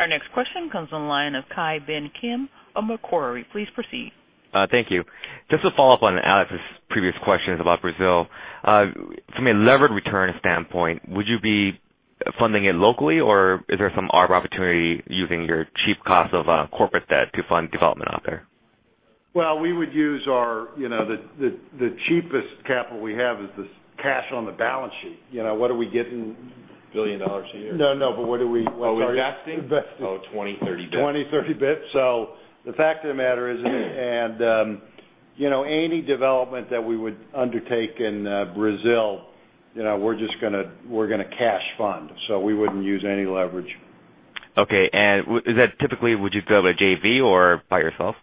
A: Our next question comes from the line of Ki Ben Kim of Macquarie. Please proceed.
N: Thank you. Just to follow up on Alex's previous questions about Brazil, from a levered return standpoint, would you be funding it locally, or is there some ARB opportunity using your cheap cost of corporate debt to fund development out there?
C: We would use our, you know, the cheapest capital we have is the cash on the balance sheet. You know, what are we getting?
N: Billion dollars a year?
C: No, what are we? Oh, investing.
N: Oh, 20, 30 bips.
C: Twenty, 30 bips. The fact of the matter is, any development that we would undertake in Brazil, we're just going to cash fund. We wouldn't use any leverage.
N: Okay. Is that typically, would you build a JV or by yourself?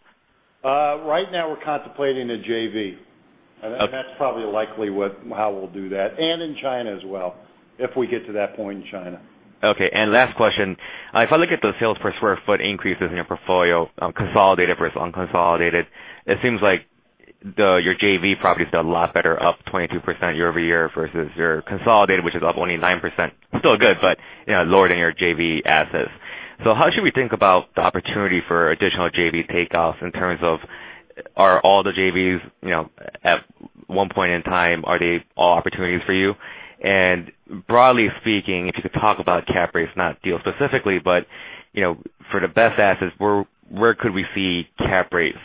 C: Right now, we're contemplating a JV. That's probably likely how we'll do that, and in China as well, if we get to that point in China.
N: Okay. Last question. If I look at the sales per square foot increases in your portfolio, consolidated versus unconsolidated, it seems like your JV properties are a lot better, up 22% year-over-year versus your consolidated, which is up only 9%. Still good, but lower than your JV assets. How should we think about the opportunity for additional JV takeoffs in terms of are all the JVs at one point in time, are they all opportunities for you? Broadly speaking, if you could talk about cap rates, not deal specifically, but for the best assets, where could we see cap rates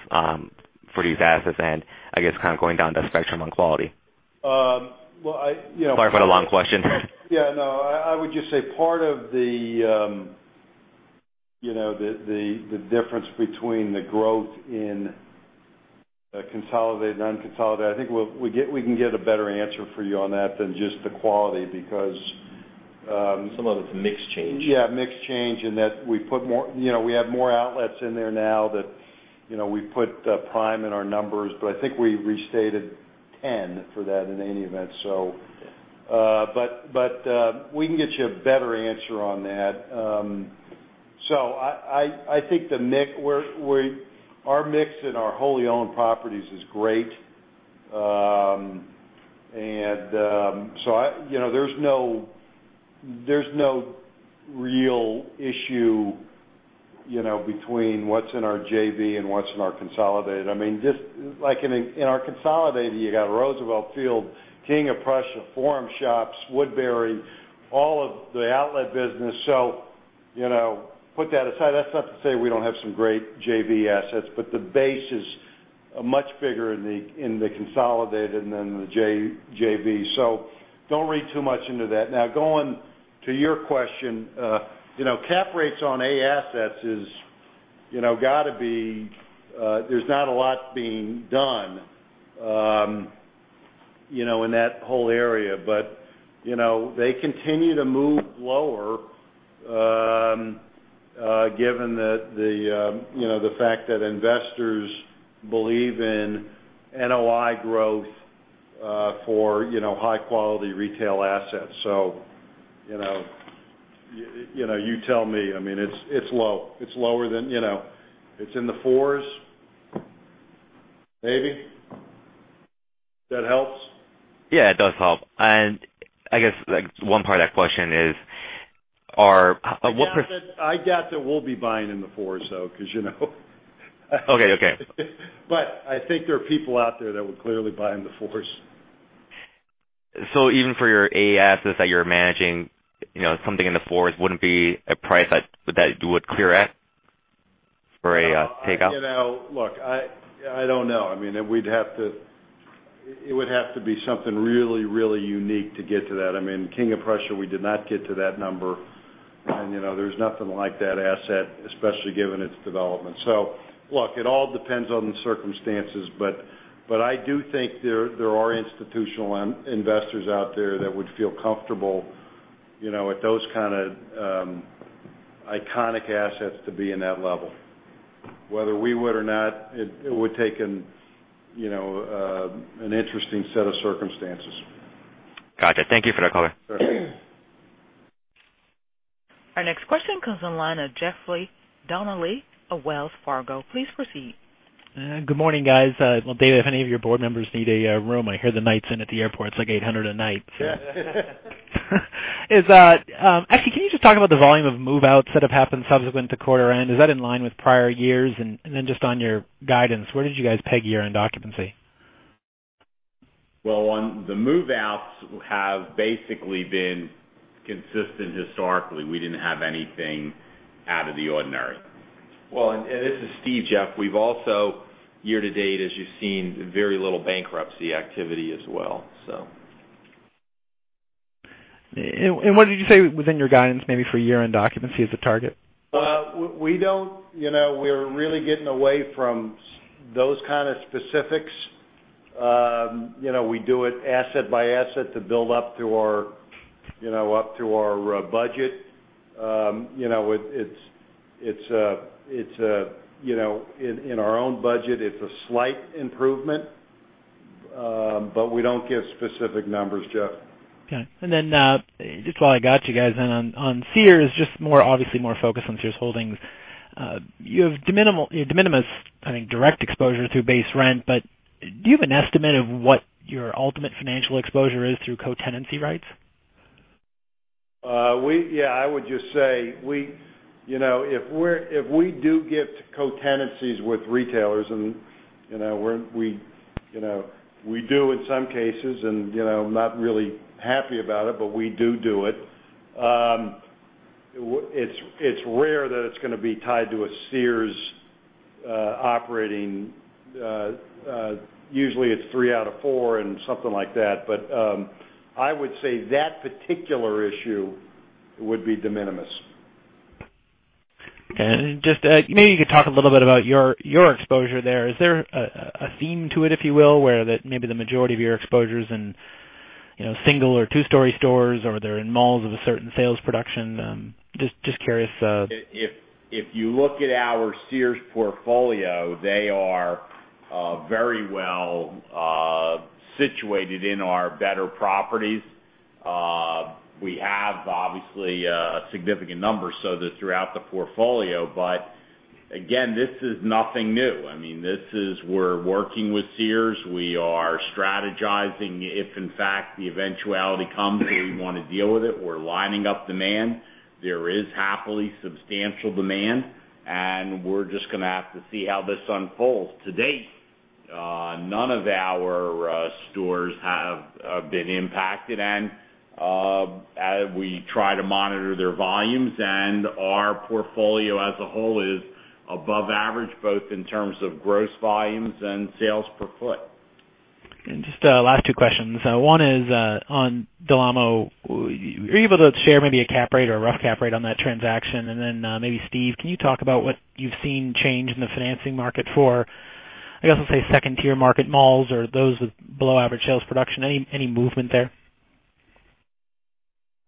N: for these assets? I guess kind of going down the spectrum on quality.
C: You know.
N: Sorry for the long question.
C: Yeah, I would just say part of the difference between the growth in consolidated and unconsolidated, I think we can get a better answer for you on that than just the quality because.
N: Some of it's a mixed change.
C: Yeah, mixed change, and that we put more, you know, we have more outlets in there now that, you know, we put the prime in our numbers, but I think we restated 10 for that in any event. We can get you a better answer on that. I think the mix, our mix in our wholly owned properties is great. There's no real issue between what's in our JV and what's in our consolidated. I mean, just like in our consolidated, you got Roosevelt Field, King of Prussia, Forum Shops, Woodbury, all of the outlet business. Put that aside. That's not to say we don't have some great JV assets, but the base is much bigger in the consolidated than the JV. Don't read too much into that. Now, going to your question, cap rates on A assets is, you know, there's not a lot being done in that whole area. They continue to move lower, given the fact that investors believe in NOI growth for high-quality retail assets. You tell me, I mean, it's low. It's lower than, you know, it's in the $4s, maybe, if that helps.
N: Yeah, it does help. I guess one part of that question is, are what?
C: I doubt that we'll be buying in the $4s, though, because you know.
N: Okay, okay.
C: I think there are people out there that will clearly buy in the $4s.
N: Even for your A assets that you're managing, you know, something in the $4s wouldn't be a price that you would clear at for a takeup?
C: You know, look, I don't know. I mean, it would have to be something really, really unique to get to that. I mean, King of Prussia, we did not get to that number. There's nothing like that asset, especially given its development. It all depends on the circumstances. I do think there are institutional investors out there that would feel comfortable, you know, at those kind of iconic assets to be in that level. Whether we would or not, it would take an interesting set of circumstances.
N: Gotcha. Thank you for that color.
C: Sure.
A: Our next question comes from the line of Jeffrey Donnelly of Wells Fargo. Please proceed.
O: Good morning, guys. David, if any of your board members need a room, I hear the nights in at the airport, it's like $800 a night. Actually, can you just talk about the volume of move-outs that have happened subsequent to quarter-end? Is that in line with prior years? On your guidance, where did you guys peg year-end occupancy?
I: The move-outs have basically been consistent historically. We didn't have anything out of the ordinary. This is Steve, Jeff. We've also, year to date, as you've seen, very little bankruptcy activity as well.
O: What did you say within your guidance, maybe for year-end occupancy as a target?
C: We are really getting away from those kind of specifics. We do it asset by asset to build up through our budget. In our own budget, it's a slight improvement, but we don't give specific numbers, Jeff.
O: Got it. Just while I got you guys, on Sears, more focus on Sears Holdings. You have de minimis, I think, direct exposure through base rent, but do you have an estimate of what your ultimate financial exposure is through co-tenancy rights?
C: Yeah, I would just say, if we do get to co-tenancies with retailers, and we do in some cases, I'm not really happy about it, but we do do it. It's rare that it's going to be tied to a Sears operating. Usually, it's three out of four or something like that. I would say that particularly would be de minimis.
O: Okay. Maybe you could talk a little bit about your exposure there. Is there a theme to it, if you will, where maybe the majority of your exposure's in single or two-story stores, or they're in malls of a certain sales production? Just curious.
I: If you look at our Sears portfolio, they are very well situated in our better properties. We have, obviously, significant numbers throughout the portfolio, but again, this is nothing new. I mean, we are working with Sears. We are strategizing if, in fact, the eventuality comes that we want to deal with it. We are lining up demand. There is happily substantial demand. We are just going to have to see how this unfolds. To date, none of our stores have been impacted. We try to monitor their volumes, and our portfolio as a whole is above average, both in terms of gross volumes and sales per foot.
O: Just, last two questions. One is, on Del Amo, were you able to share maybe a cap rate or a rough cap rate on that transaction? Maybe, Steve, can you talk about what you've seen change in the financing market for, I guess I'll say, second-tier market malls or those with below-average sales production? Any movement there?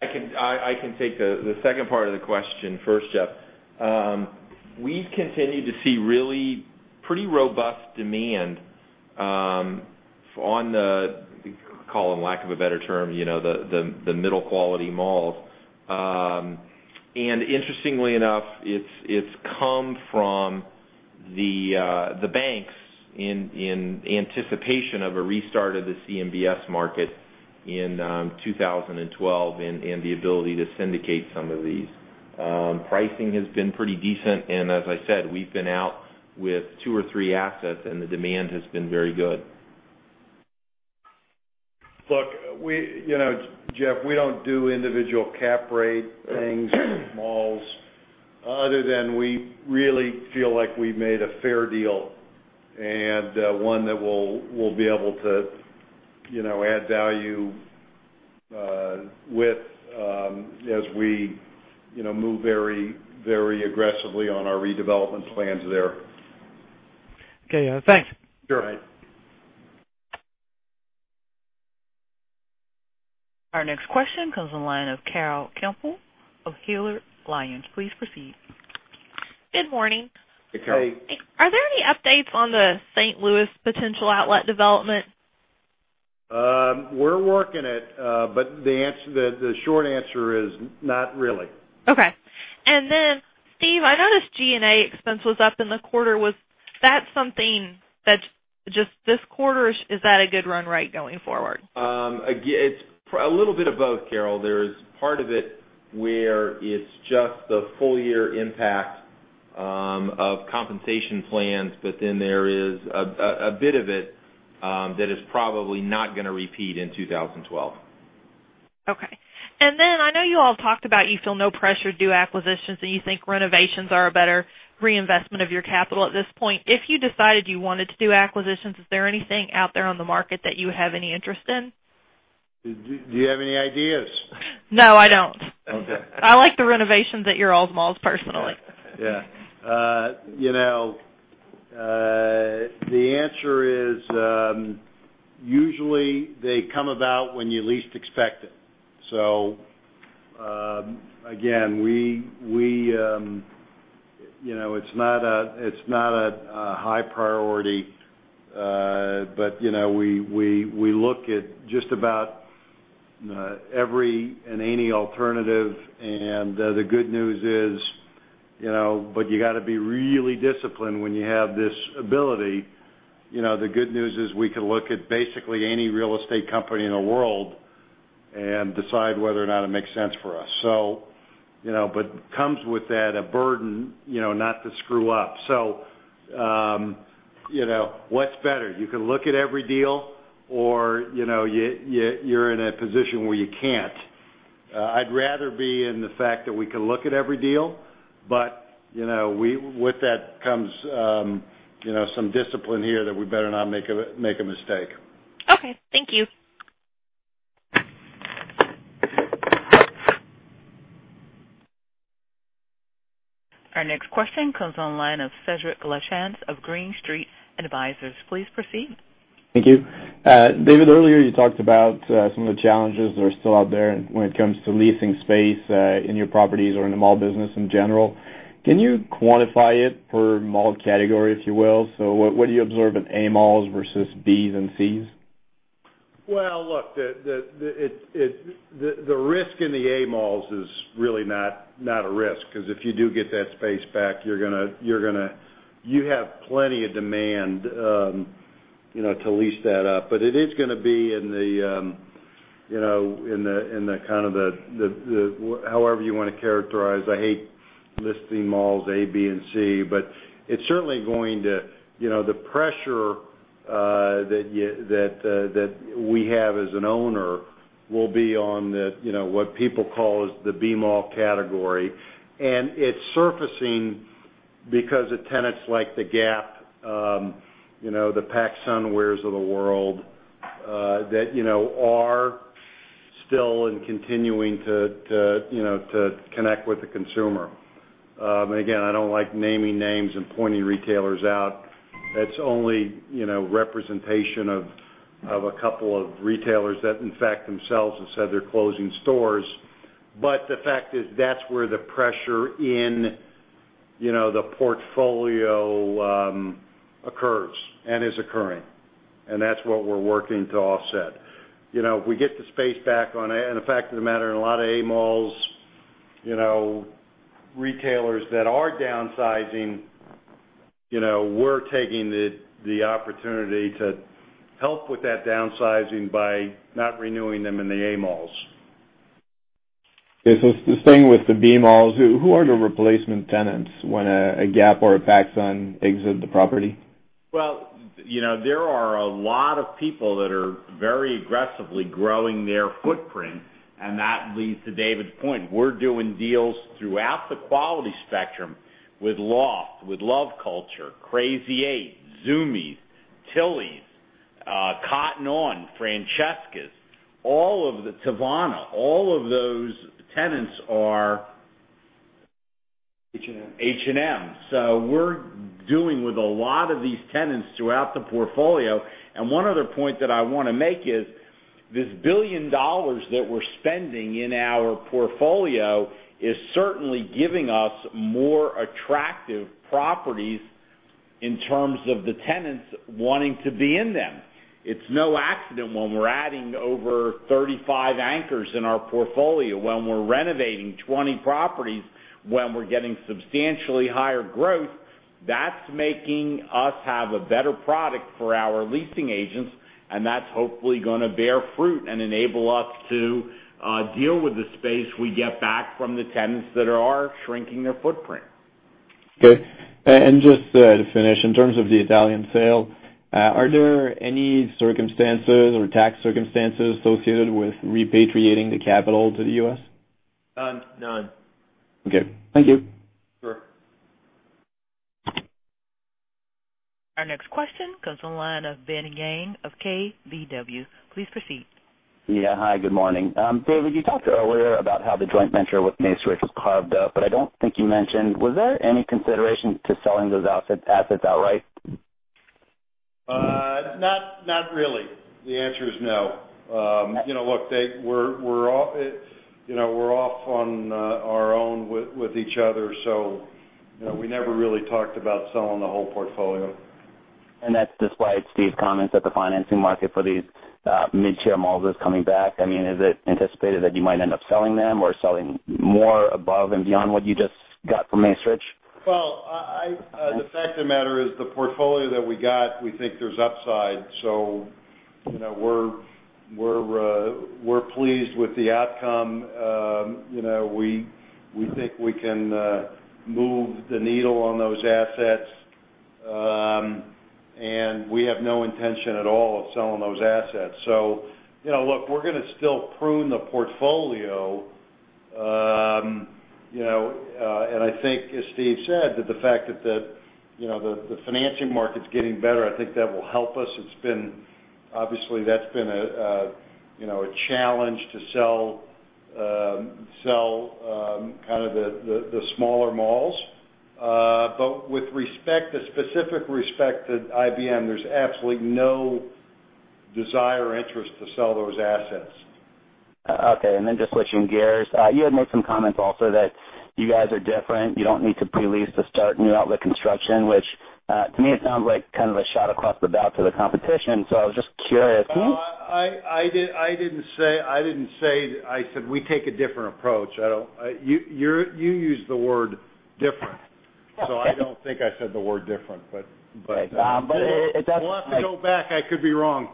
I: I can take the second part of the question first, Jeff. We've continued to see really pretty robust demand for, on the call it, lack of a better term, the middle-quality malls. Interestingly enough, it's come from the banks in anticipation of a restart of the CMBS market in 2012 and the ability to syndicate some of these. Pricing has been pretty decent. As I said, we've been out with two or three assets, and the demand has been very good.
C: Look, Jeff, we don't do individual cap rate things in malls other than we really feel like we've made a fair deal and one that we'll be able to add value with as we move very, very aggressively on our redevelopment plans there.
O: Okay. thanks.
C: Sure.
E: All right.
A: Our next question comes on the line of Ronald Kamdem of Morgan Stanley. Please proceed.
P: Good morning.
C: Hey, Carol.
P: Are there any updates on the St. Louis potential outlet development?
C: We're working it, but the short answer is not really.
P: Okay. Steve, I noticed G&A expense was up in the quarter. Was that something that just this quarter? Is that a good run rate going forward?
I: Again, it's a little bit of both, Carol. There's part of it where it's just the full-year impact of compensation plans, but then there is a bit of it that is probably not going to repeat in 2012.
P: Okay. I know you all have talked about you feel no pressure to do acquisitions, and you think renovations are a better reinvestment of your capital at this point. If you decided you wanted to do acquisitions, is there anything out there on the market that you would have any interest in?
I: Do you have any ideas?
P: No, I don't.
I: Okay.
P: I like the renovations at your old malls, personally.
I: Yeah, you know, the answer is, usually, they come about when you least expect it. Again, we, you know, it's not a high priority, but, you know, we look at just about every and any alternative. The good news is, you know, but you gotta be really disciplined when you have this ability. The good news is we can look at basically any real estate company in the world and decide whether or not it makes sense for us. With that comes a burden, you know, not to screw up. What's better? You can look at every deal or you're in a position where you can't? I'd rather be in the fact that we can look at every deal, but with that comes some discipline here that we better not make a mistake.
P: Okay, thank you.
A: Our next question comes on the line of Cedric Lechance of Green Street. Please proceed.
Q: Thank you. David, earlier, you talked about some of the challenges that are still out there when it comes to leasing space in your properties or in the mall business in general. Can you quantify it per mall category, if you will? What do you observe in A malls versus Bs and Cs?
I: The risk in the A malls is really not a risk because if you do get that space back, you are going to have plenty of demand to lease that up. It is going to be in the kind of, however you want to characterize. I hate listing malls A, B, and C, but it is certainly going to, the pressure that we have as an owner will be on what people call the B mall category. It is surfacing because of tenants like The Gap, the PacSun Wares of the world, that are still and continuing to connect with the consumer. Again, I do not like naming names and pointing retailers out. That is only representation of a couple of retailers that, in fact, themselves have said they are closing stores. The fact is that is where the pressure in the portfolio occurs and is occurring. That is what we are working to offset. If we get the space back on A, and the fact of the matter, in a lot of A malls, retailers that are downsizing, we are taking the opportunity to help with that downsizing by not renewing them in the A malls.
Q: Starting with the B malls, who are the replacement tenants when a Gap or a PacSun exit the property?
I: There are a lot of people that are very aggressively growing their footprint. That leads to David's point. We're doing deals throughout the quality spectrum with Loft, with Love Culture, Crazy 8, Zumiez, Tillys, Cotton On, Francesca's, all of the Teavana, all of those tenants are H&M. H&M. We are doing this with a lot of these tenants throughout the portfolio. One other point that I want to make is this $1 billion that we're spending in our portfolio is certainly giving us more attractive properties in terms of the tenants wanting to be in them. It is no accident when we're adding over 35 anchors in our portfolio, when we're renovating 20 properties, when we're getting substantially higher growth. That is making us have a better product for our leasing agents. That is hopefully going to bear fruit and enable us to deal with the space we get back from the tenants that are shrinking their footprint.
Q: Okay. Just to finish, in terms of the Italian sale, are there any circumstances or tax circumstances associated with repatriating the capital to the U.S.?
C: None. None.
Q: Okay, thank you.
C: Sure.
A: Our next question comes on the line of Ben Yang of KBW. Please proceed.
R: Yeah. Hi. Good morning. David, you talked earlier about how the joint venture with Macerich was carved up, but I don't think you mentioned, was there any consideration to selling those assets outright?
C: Not really. The answer is no. You know, look, we're all, you know, we're off on our own with each other. You know, we never really talked about selling the whole portfolio.
R: That's despite Steve's comments that the financing market for these mid-share malls is coming back. Is it anticipated that you might end up selling them or selling more above and beyond what you just got from Macerich?
C: The fact of the matter is the portfolio that we got, we think there's upside. You know, we're pleased with the outcome. You know, we think we can move the needle on those assets, and we have no intention at all of selling those assets. You know, look, we're going to still prune the portfolio. You know, and I think, as Steve said, that the fact that the financing market's getting better, I think that will help us. It's been, obviously, that's been a challenge to sell, sell, kind of the smaller malls. With respect to specific respect to IBM, there's absolutely no desire or interest to sell those assets.
R: Okay. Just switching gears, you had made some comments also that you guys are different. You don't need to pre-lease to start new outlet construction, which, to me, sounds like kind of a shot across the belt to the competition. I was just curious.
C: I didn't say that. I said we take a different approach. You're, you used the word different. I don't think I said the word different.
R: Okay, at that point.
C: If we go back, I could be wrong.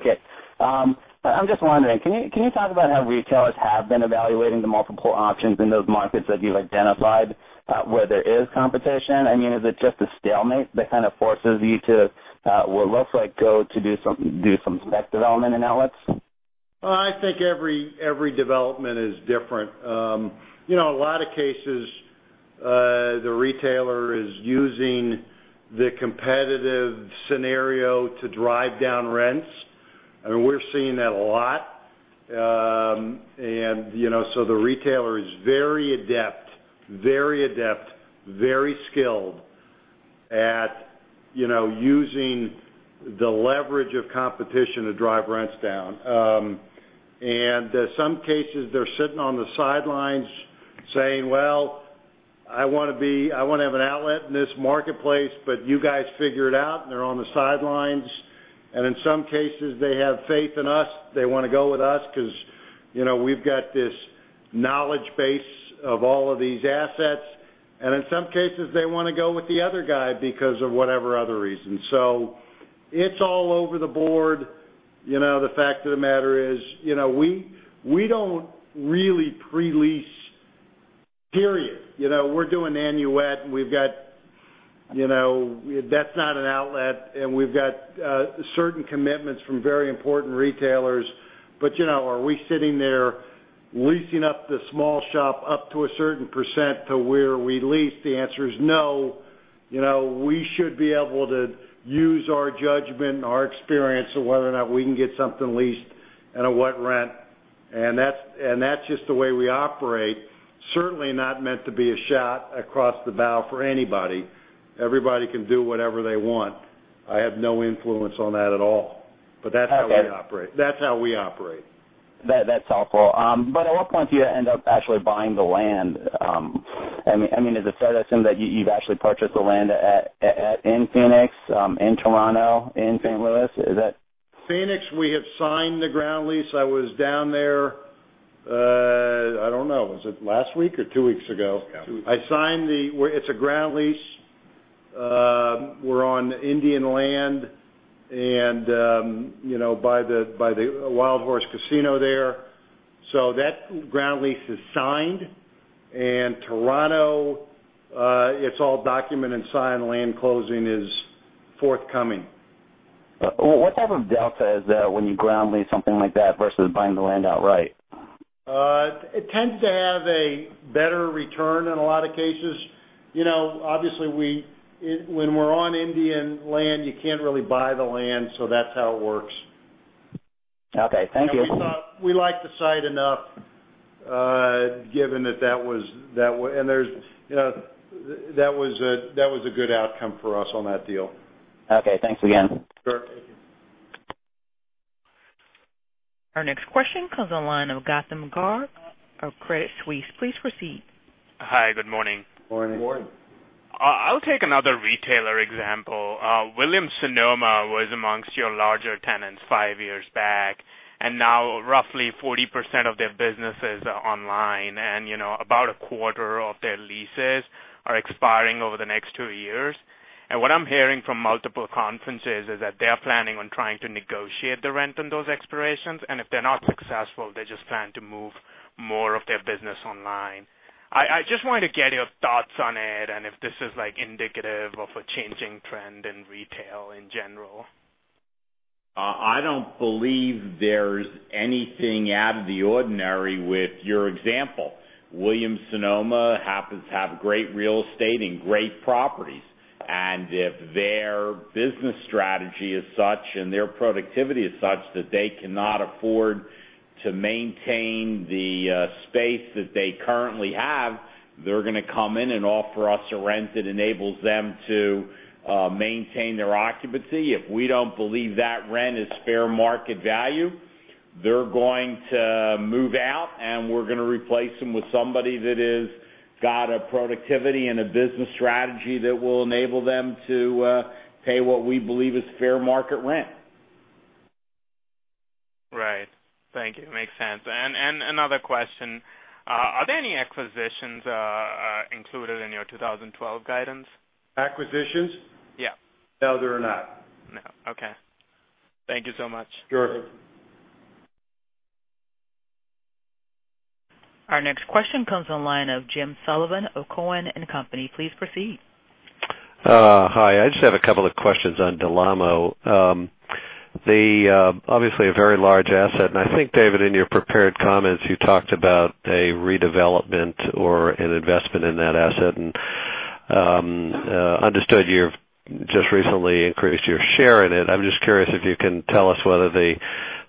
R: Okay. I'm just wondering, can you talk about how retailers have been evaluating the multiple options in those markets that you've identified, where there is competition? I mean, is it just a stalemate that kind of forces you to, what looks like, go to do some spec development in outlets?
C: I think every development is different. In a lot of cases, the retailer is using the competitive scenario to drive down rents. We're seeing that a lot. The retailer is very adept, very skilled at using the leverage of competition to drive rents down. In some cases, they're sitting on the sidelines saying, "I wanna be, I wanna have an outlet in this marketplace, but you guys figure it out," and they're on the sidelines. In some cases, they have faith in us. They wanna go with us 'cause we've got this knowledge base of all of these assets. In some cases, they wanna go with the other guy because of whatever other reason. It's all over the board. The fact of the matter is, we don't really pre-lease, period. We're doing Nanuet, and that's not an outlet. We've got certain commitments from very important retailers. Are we sitting there leasing up the small shop up to a certain percent to where we lease? The answer is no. We should be able to use our judgment and our experience of whether or not we can get something leased at a what rent. That's just the way we operate. Certainly not meant to be a shot across the bow for anybody. Everybody can do whatever they want. I have no influence on that at all. That's how we operate.
R: Okay.
C: That's how we operate.
R: That's helpful, but at what point do you end up actually buying the land? I mean, is it fair to assume that you've actually purchased the land in Phoenix, in Toronto, in St. Louis? Is that?
C: Phoenix, we have signed the ground lease. I was down there, I don't know, was it last week or two weeks ago?
E: Yeah.
C: I signed the ground lease. We're on Indian land, you know, by the Wild Horse Casino there. That ground lease is signed. In Toronto, it's all documented and signed. Land closing is forthcoming.
R: What type of delta is there when you ground lease something like that versus buying the land outright?
C: It tends to have a better return in a lot of cases. Obviously, when we're on Indian land, you can't really buy the land. That's how it works.
R: Okay, thank you.
C: We thought we liked the site enough, given that was a good outcome for us on that deal.
R: Okay, thanks again.
C: All right. Thank you.
A: Our next question comes on the line of [Katham Gag of Credit Suisse. Please proceed. Hi, good morning.
C: Morning.
E: Morning. I'll take another retailer example. Williams Sonoma was amongst your larger tenants five years back. Now, roughly 40% of their businesses are online. About a quarter of their leases are expiring over the next two years. What I'm hearing from multiple conferences is that they're planning on trying to negotiate the rent on those expirations. If they're not successful, they just plan to move more of their business online. I just wanted to get your thoughts on it and if this is, like, indicative of a changing trend in retail in general.
C: I don't believe there's anything out of the ordinary with your example. Williams Sonoma happens to have great real estate and great properties. If their business strategy is such and their productivity is such that they cannot afford to maintain the space that they currently have, they are going to come in and offer us a rent that enables them to maintain their occupancy. If we don't believe that rent is fair market value, they are going to move out, and we are going to replace them with somebody that has got a productivity and a business strategy that will enable them to pay what we believe is fair market rent. Right. Thank you. Makes sense. Are there any acquisitions included in your 2012 guidance? Acquisitions? Yeah. No, there are not. No. Okay, thank you so much. Sure.
A: Our next question comes on the line of Jim Sullivan of Cohen & Co. Please proceed.
S: Hi. I just have a couple of questions on Del Amo. Obviously a very large asset. I think, David, in your prepared comments, you talked about a redevelopment or an investment in that asset. I understood you've just recently increased your share in it. I'm just curious if you can tell us whether the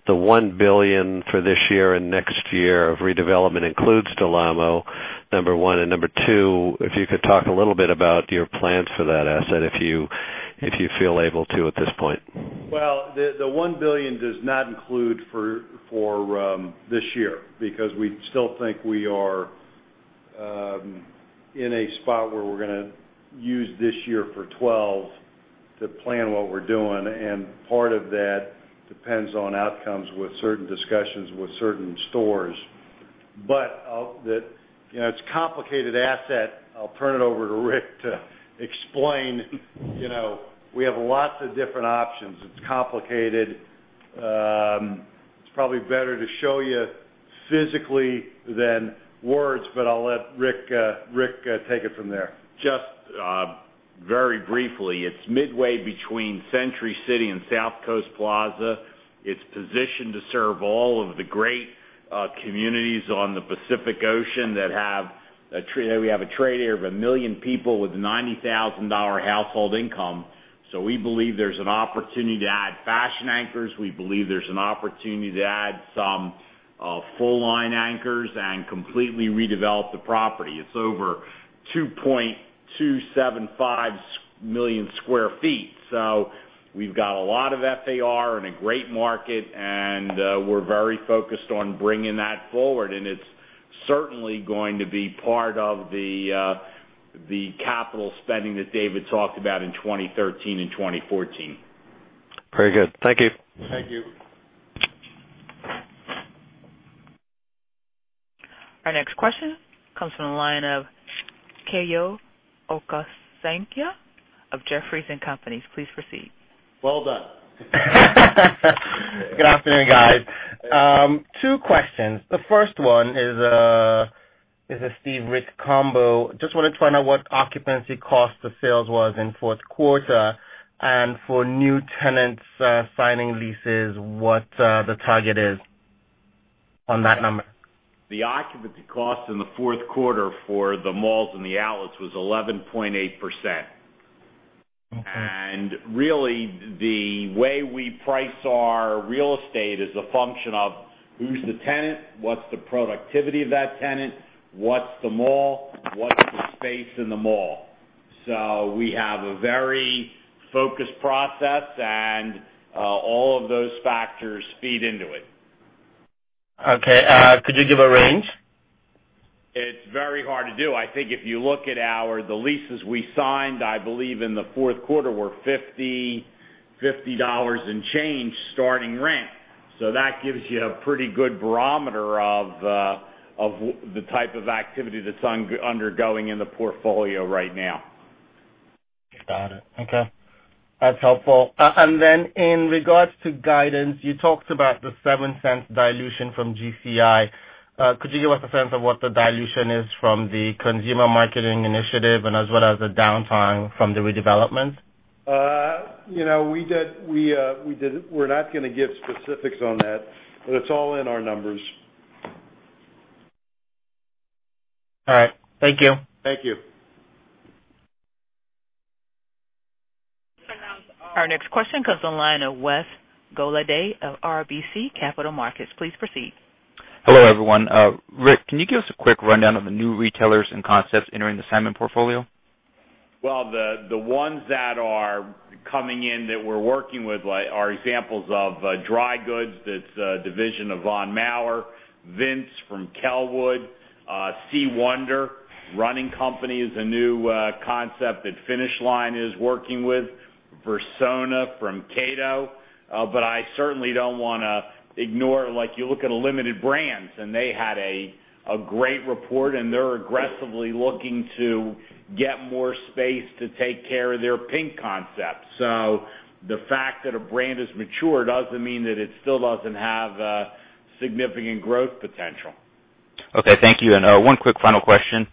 S: $1 billion for this year and next year of redevelopment includes Del Amo, number one. Number two, if you could talk a little bit about your plans for that asset if you feel able to at this point.
C: The $1 billion does not include for this year because we still think we are in a spot where we're going to use this year for 2012 to plan what we're doing. Part of that depends on outcomes with certain discussions with certain stores. It's a complicated asset. I'll turn it over to Rick to explain. We have lots of different options. It's complicated. It's probably better to show you physically than words, but I'll let Rick take it from there.
E: Just, very briefly, it's midway between Century City and South Coast Plaza. It's positioned to serve all of the great communities on the Pacific Ocean that have a trade area of a million people with a $90,000 household income. We believe there's an opportunity to add fashion anchors. We believe there's an opportunity to add some full-line anchors and completely redevelop the property. It's over 2.275 million sq ft, so we've got a lot of FAR and a great market. We're very focused on bringing that forward. It's certainly going to be part of the capital spending that David talked about in 2013 and 2014.
S: Very good. Thank you.
C: Thank you.
A: Our next question comes on the line of Tayo kusanya of Jefferies&Co. Please proceed.
T: Well done. Good afternoon, guys. Two questions. The first one is, is a Steve combo. Just wanna try to know what occupancy cost of sales was in fourth quarter and for new tenants signing leases, what the target is on that number.
I: The occupancy cost in the fourth quarter for the malls and the outlets was 11.8%.
T: Okay.
I: The way we price our real estate is a function of who's the tenant, what's the productivity of that tenant, what's the mall, what's the space in the mall. We have a very focused process, and all of those factors feed into it.
T: Okay, could you give a range?
I: It's very hard to do. I think if you look at our leases we signed, I believe in the fourth quarter were $50, $50 and change starting rent. That gives you a pretty good barometer of the type of activity that's undergoing in the portfolio right now.
T: Got it. Okay. That's helpful. In regards to guidance, you talked about the $0.07 dilution from GCI. Could you give us a sense of what the dilution is from the Consumer Marketing Initiative as well as the downtime from the redevelopment?
E: We didn't, we're not going to give specifics on that, but it's all in our numbers.
T: All right, thank you.
C: Thank you.
A: Our next question comes on the line of Wes Gola of RBC Capital Markets. Please proceed.
U: Hello, everyone. Rick, can you give us a quick rundown of the new retailers and concepts entering the Simon portfolio?
E: The ones that are coming in that we're working with are examples of Dry Goods, that's a division of Von Maur, Vince from Kellwood, C. Wonder, Running Company is a new concept that Finish Line is working with, Versona from Cato. I certainly don't wanna ignore, like, you look at a Limited Brands, and they had a great report, and they're aggressively looking to get more space to take care of their PINK concepts. The fact that a brand is mature doesn't mean that it still doesn't have a significant growth potential.
U: Okay. Thank you. One quick final question.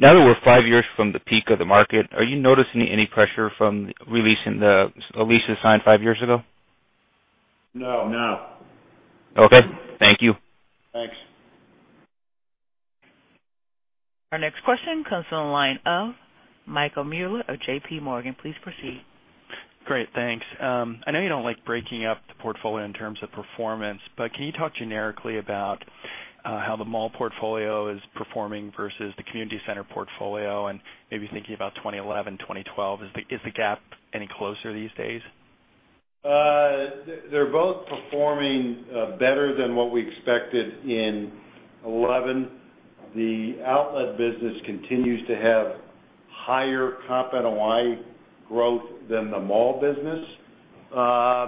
U: Now that we're five years from the peak of the market, are you noticing any pressure from releasing the lease you signed five years ago?
E: No, no.
C: Okay, thank you.
E: Thanks.
A: Our next question comes on the line of Michael Muller of JPMorgan. Please proceed.
V: Great. Thanks. I know you don't like breaking up the portfolio in terms of performance, but can you talk generically about how the mall portfolio is performing versus the community center portfolio? Maybe thinking about 2011, 2012, is the gap any closer these days?
C: They're both performing better than what we expected in 2011. The outlet business continues to have higher comp and a year-over-year growth than the mall business. I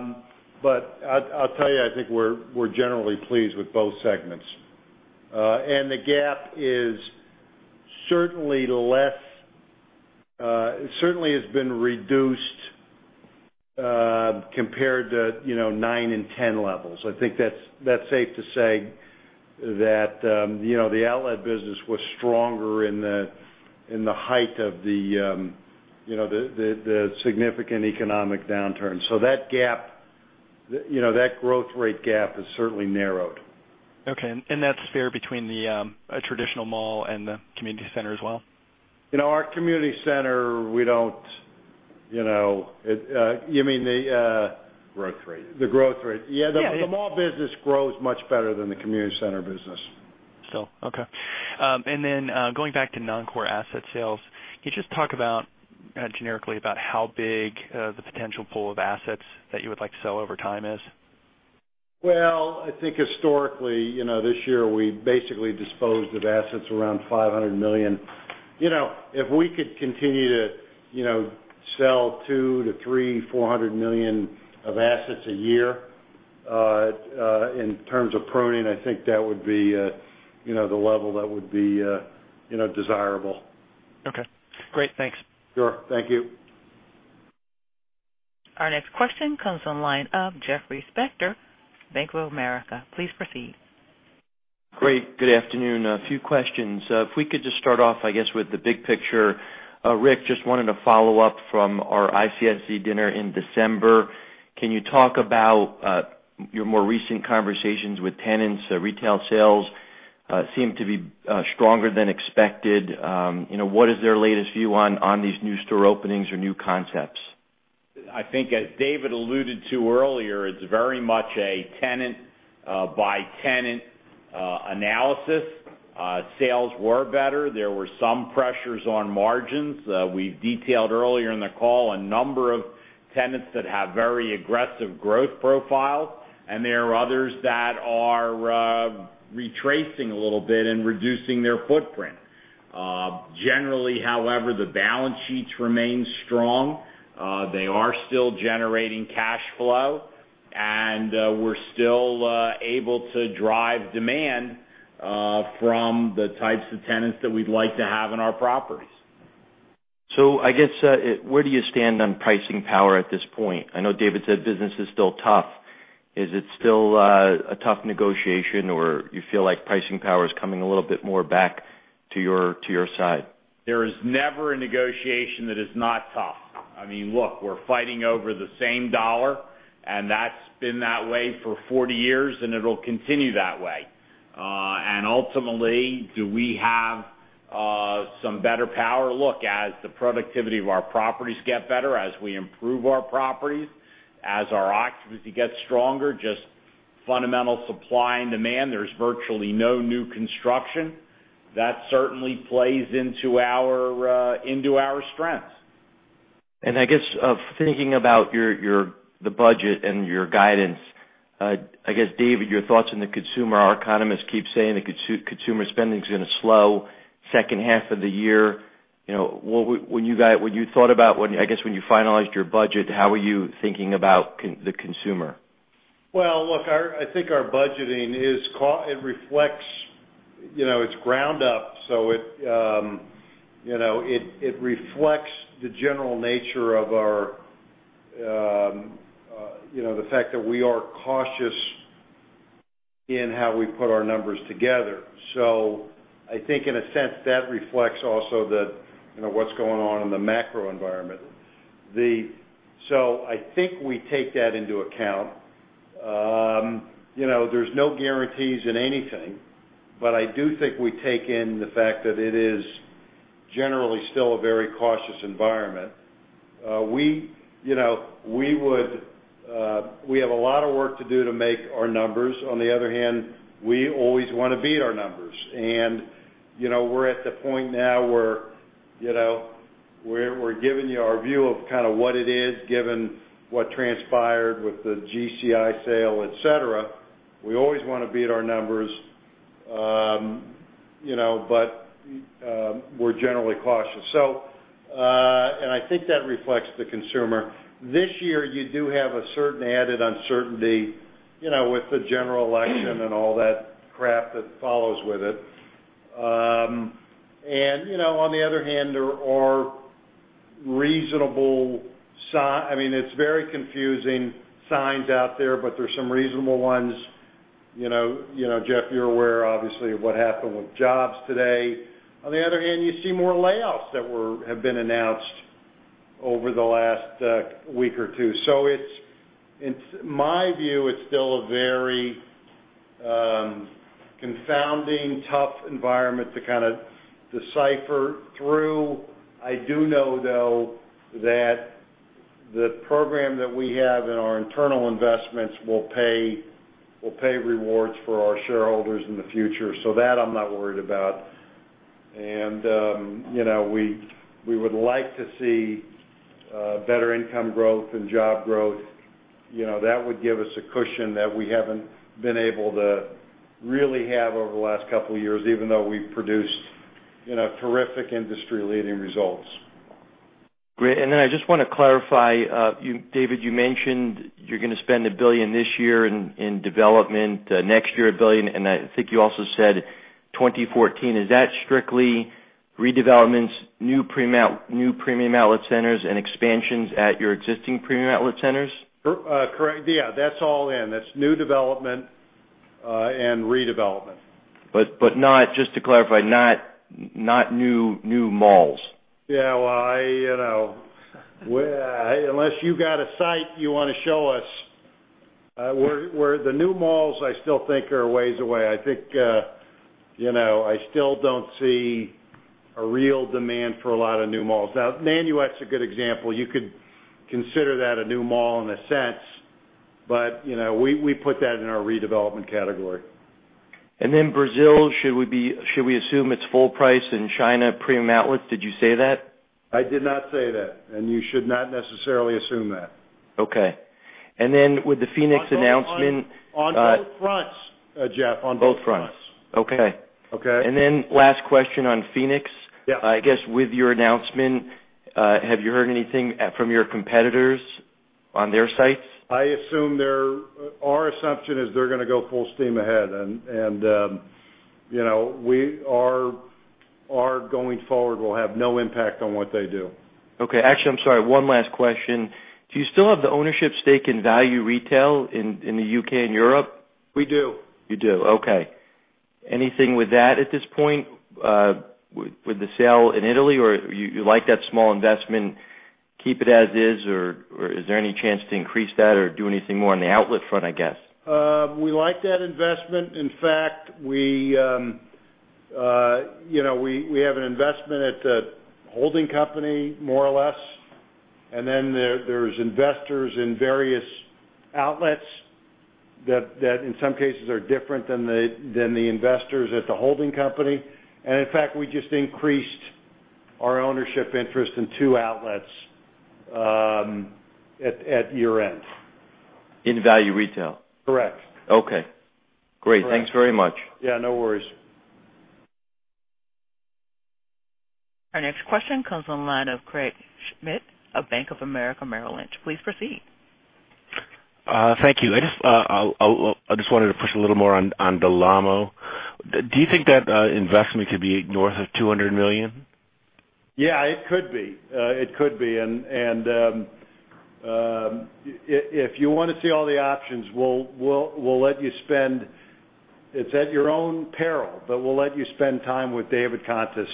C: think we're generally pleased with both segments, and the gap is certainly less. It certainly has been reduced compared to, you know, 2009 and 2010 levels. I think that's safe to say that, you know, the outlet business was stronger in the height of the significant economic downturn. That gap, the growth rate gap, has certainly narrowed.
V: Okay. That's fair between the traditional mall and the community center as well?
C: You know, our community center, we don't, you mean the,
V: Growth rate.
C: The growth rate, yeah.
V: Okay.
C: The mall business grows much better than the community center business.
V: Okay, and then, going back to non-core asset sales, can you just talk about, generically, about how big the potential pool of assets that you would like to sell over time is?
C: I think historically, you know, this year, we basically disposed of assets around $500 million. You know, if we could continue to, you know, sell $200 million to $300 million, $400 million of assets a year, in terms of pruning, I think that would be, you know, the level that would be, you know, desirable.
V: Okay, great. Thanks.
C: Sure. Thank you.
A: Our next question comes on the line of Jeffrey Spector of Bank of America. Please proceed.
W: Great. Good afternoon. A few questions. If we could just start off, I guess, with the big picture. Rick, just wanted to follow up from our ICSC dinner in December. Can you talk about your more recent conversations with tenants? Retail sales seem to be stronger than expected. You know, what is their latest view on these new store openings or new concepts?
E: I think, as David alluded to earlier, it's very much a tenant-by-tenant analysis. Sales were better. There were some pressures on margins. We've detailed earlier in the call a number of tenants that have very aggressive growth profiles. There are others that are retracing a little bit and reducing their footprint. Generally, however, the balance sheets remain strong. They are still generating cash flow, and we're still able to drive demand from the types of tenants that we'd like to have in our properties.
W: Where do you stand on pricing power at this point? I know David said business is still tough. Is it still a tough negotiation, or do you feel like pricing power is coming a little bit more back to your side?
E: There is never a negotiation that is not tough. I mean, look, we're fighting over the same dollar. That's been that way for 40 years, and it'll continue that way. Ultimately, do we have some better power? Look, as the productivity of our properties get better, as we improve our properties, as our occupancy gets stronger, just fundamental supply and demand, there's virtually no new construction. That certainly plays into our strengths.
W: I guess, thinking about your budget and your guidance, David, your thoughts on the consumer? Our economists keep saying the consumer spending is going to slow second half of the year. When you guys thought about, when you finalized your budget, how were you thinking about the consumer?
E: I think our budgeting reflects, you know, it's ground-up. It reflects the general nature of our, you know, the fact that we are cautious in how we put our numbers together. I think, in a sense, that reflects also what's going on in the macro environment. I think we take that into account. There's no guarantees in anything, but I do think we take in the fact that it is generally still a very cautious environment. We have a lot of work to do to make our numbers. On the other hand, we always wanna beat our numbers. We're at the point now where we're giving you our view of what it is, given what transpired with the GCI sale, etc. We always wanna beat our numbers, but we're generally cautious. I think that reflects the consumer. This year, you do have a certain added uncertainty with the general election and all that crap that follows with it. On the other hand, there are reasonable signs. I mean, it's very confusing signs out there, but there's some reasonable ones. Jeff, you're aware, obviously, of what happened with jobs today. On the other hand, you see more layoffs that have been announced over the last week or two. In my view, it's still a very confounding, tough environment to kind of decipher through. I do know, though, that the program that we have and our internal investments will pay rewards for our shareholders in the future. That, I'm not worried about. We would like to see better income growth and job growth. That would give us a cushion that we haven't been able to really have over the last couple of years, even though we've produced terrific industry-leading results.
W: Great. I just want to clarify, you, David, you mentioned you're going to spend $1 billion this year in development, next year $1 billion. I think you also said 2014. Is that strictly redevelopments, new premium outlet centers, and expansions at your existing premium outlet centers?
E: Correct, yeah. That's all in. That's new development and redevelopment.
W: Just to clarify, not new malls.
E: Yeah. I, you know, unless you got a site you want to show us, where the new malls, I still think are ways away. I think, you know, I still don't see a real demand for a lot of new malls. Nanuet's a good example. You could consider that a new mall in a sense, but, you know, we put that in our redevelopment category.
W: Should we assume it's full price in China premium outlets? Did you say that?
E: I did not say that. You should not necessarily assume that.
W: Okay. With the Phoenix announcement.
I: On both fronts. Jeff, on both fronts.
W: Okay.
I: Okay.
W: Last question on Phoenix.
E: Yeah.
W: I guess with your announcement, have you heard anything from your competitors on their sites?
E: I assume their, our assumption is they're going to go full steam ahead. You know, we are going forward, we'll have no impact on what they do.
W: Okay. I'm sorry. One last question. Do you still have the ownership stake in Value Retail in the U.K. and Europe?
E: We do.
W: Okay. Anything with that at this point, with the sale in Italy? Or you like that small investment? Keep it as is? Or is there any chance to increase that or do anything more on the outlet front, I guess?
E: We like that investment. In fact, we have an investment at the holding company, more or less. There are investors in various outlets that, in some cases, are different than the investors at the holding company. In fact, we just increased our ownership interest in two outlets at year-end.
W: In Value Retail?
E: Correct.
W: Okay. Great.
E: Yeah.
W: Thanks very much.
E: Yeah, no worries.
A: Our next question comes on the line of Craig Schmidt of Bank of America Merrill Lynch. Please proceed.
X: Thank you. I just wanted to push a little more on Del Amo. Do you think that investment could be north of $200 million?
E: Yeah. It could be. It could be. If you want to see all the options, we'll let you spend, it's at your own peril, but we'll let you spend time with David Contis.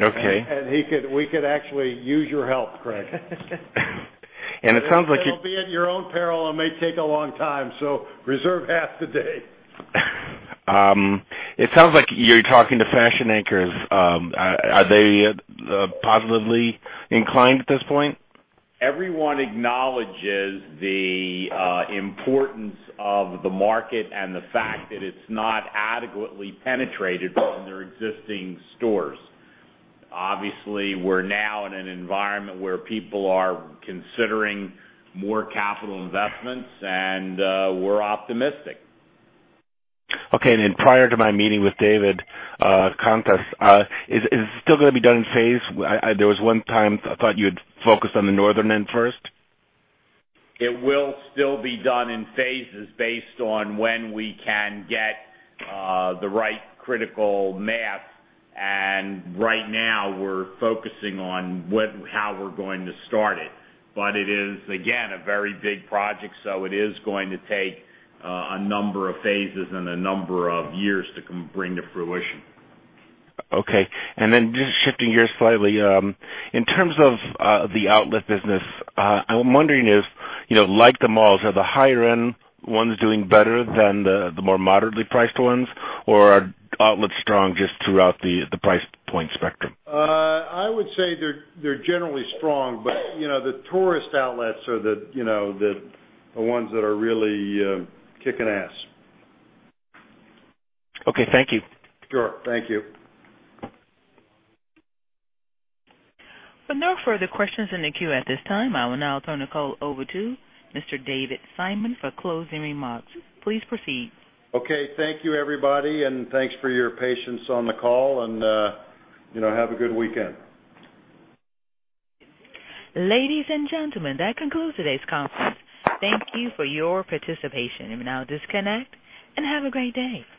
X: Okay.
E: We could actually use your help, Craig.
X: It sounds like you.
E: It'll be at your own peril and may take a long time. Reserve half the day.
X: It sounds like you're talking to fashion anchors. Are they positively inclined at this point?
C: Everyone acknowledges the importance of the market and the fact that it's not adequately penetrated on their existing stores. Obviously, we're now in an environment where people are considering more capital investments. We're optimistic.
X: Okay. Prior to my meeting with David, Contis, is this still going to be done in phases? I thought you had focused on the northern end first at one time.
C: It will still be done in phases based on when we can get the right critical maps. Right now, we're focusing on when, how we're going to start it. It is, again, a very big project. It is going to take a number of phases and a number of years to bring to fruition.
X: Okay. In terms of the outlet business, I'm wondering if, you know, like the malls, are the higher-end ones doing better than the more moderately priced ones? Or are outlets strong just throughout the price point spectrum?
E: I would say they're generally strong. You know, the tourist outlets are the ones that are really kicking ass.
X: Okay, thank you.
E: Sure. Thank you.
A: For no further questions in the queue at this time, I will now turn the call over to Mr. David Simon for closing remarks. Please proceed.
C: Okay. Thank you, everybody. Thanks for your patience on the call. Have a good weekend.
A: Ladies and gentlemen, that concludes today's conference. Thank you for your participation. You may now disconnect and have a great day.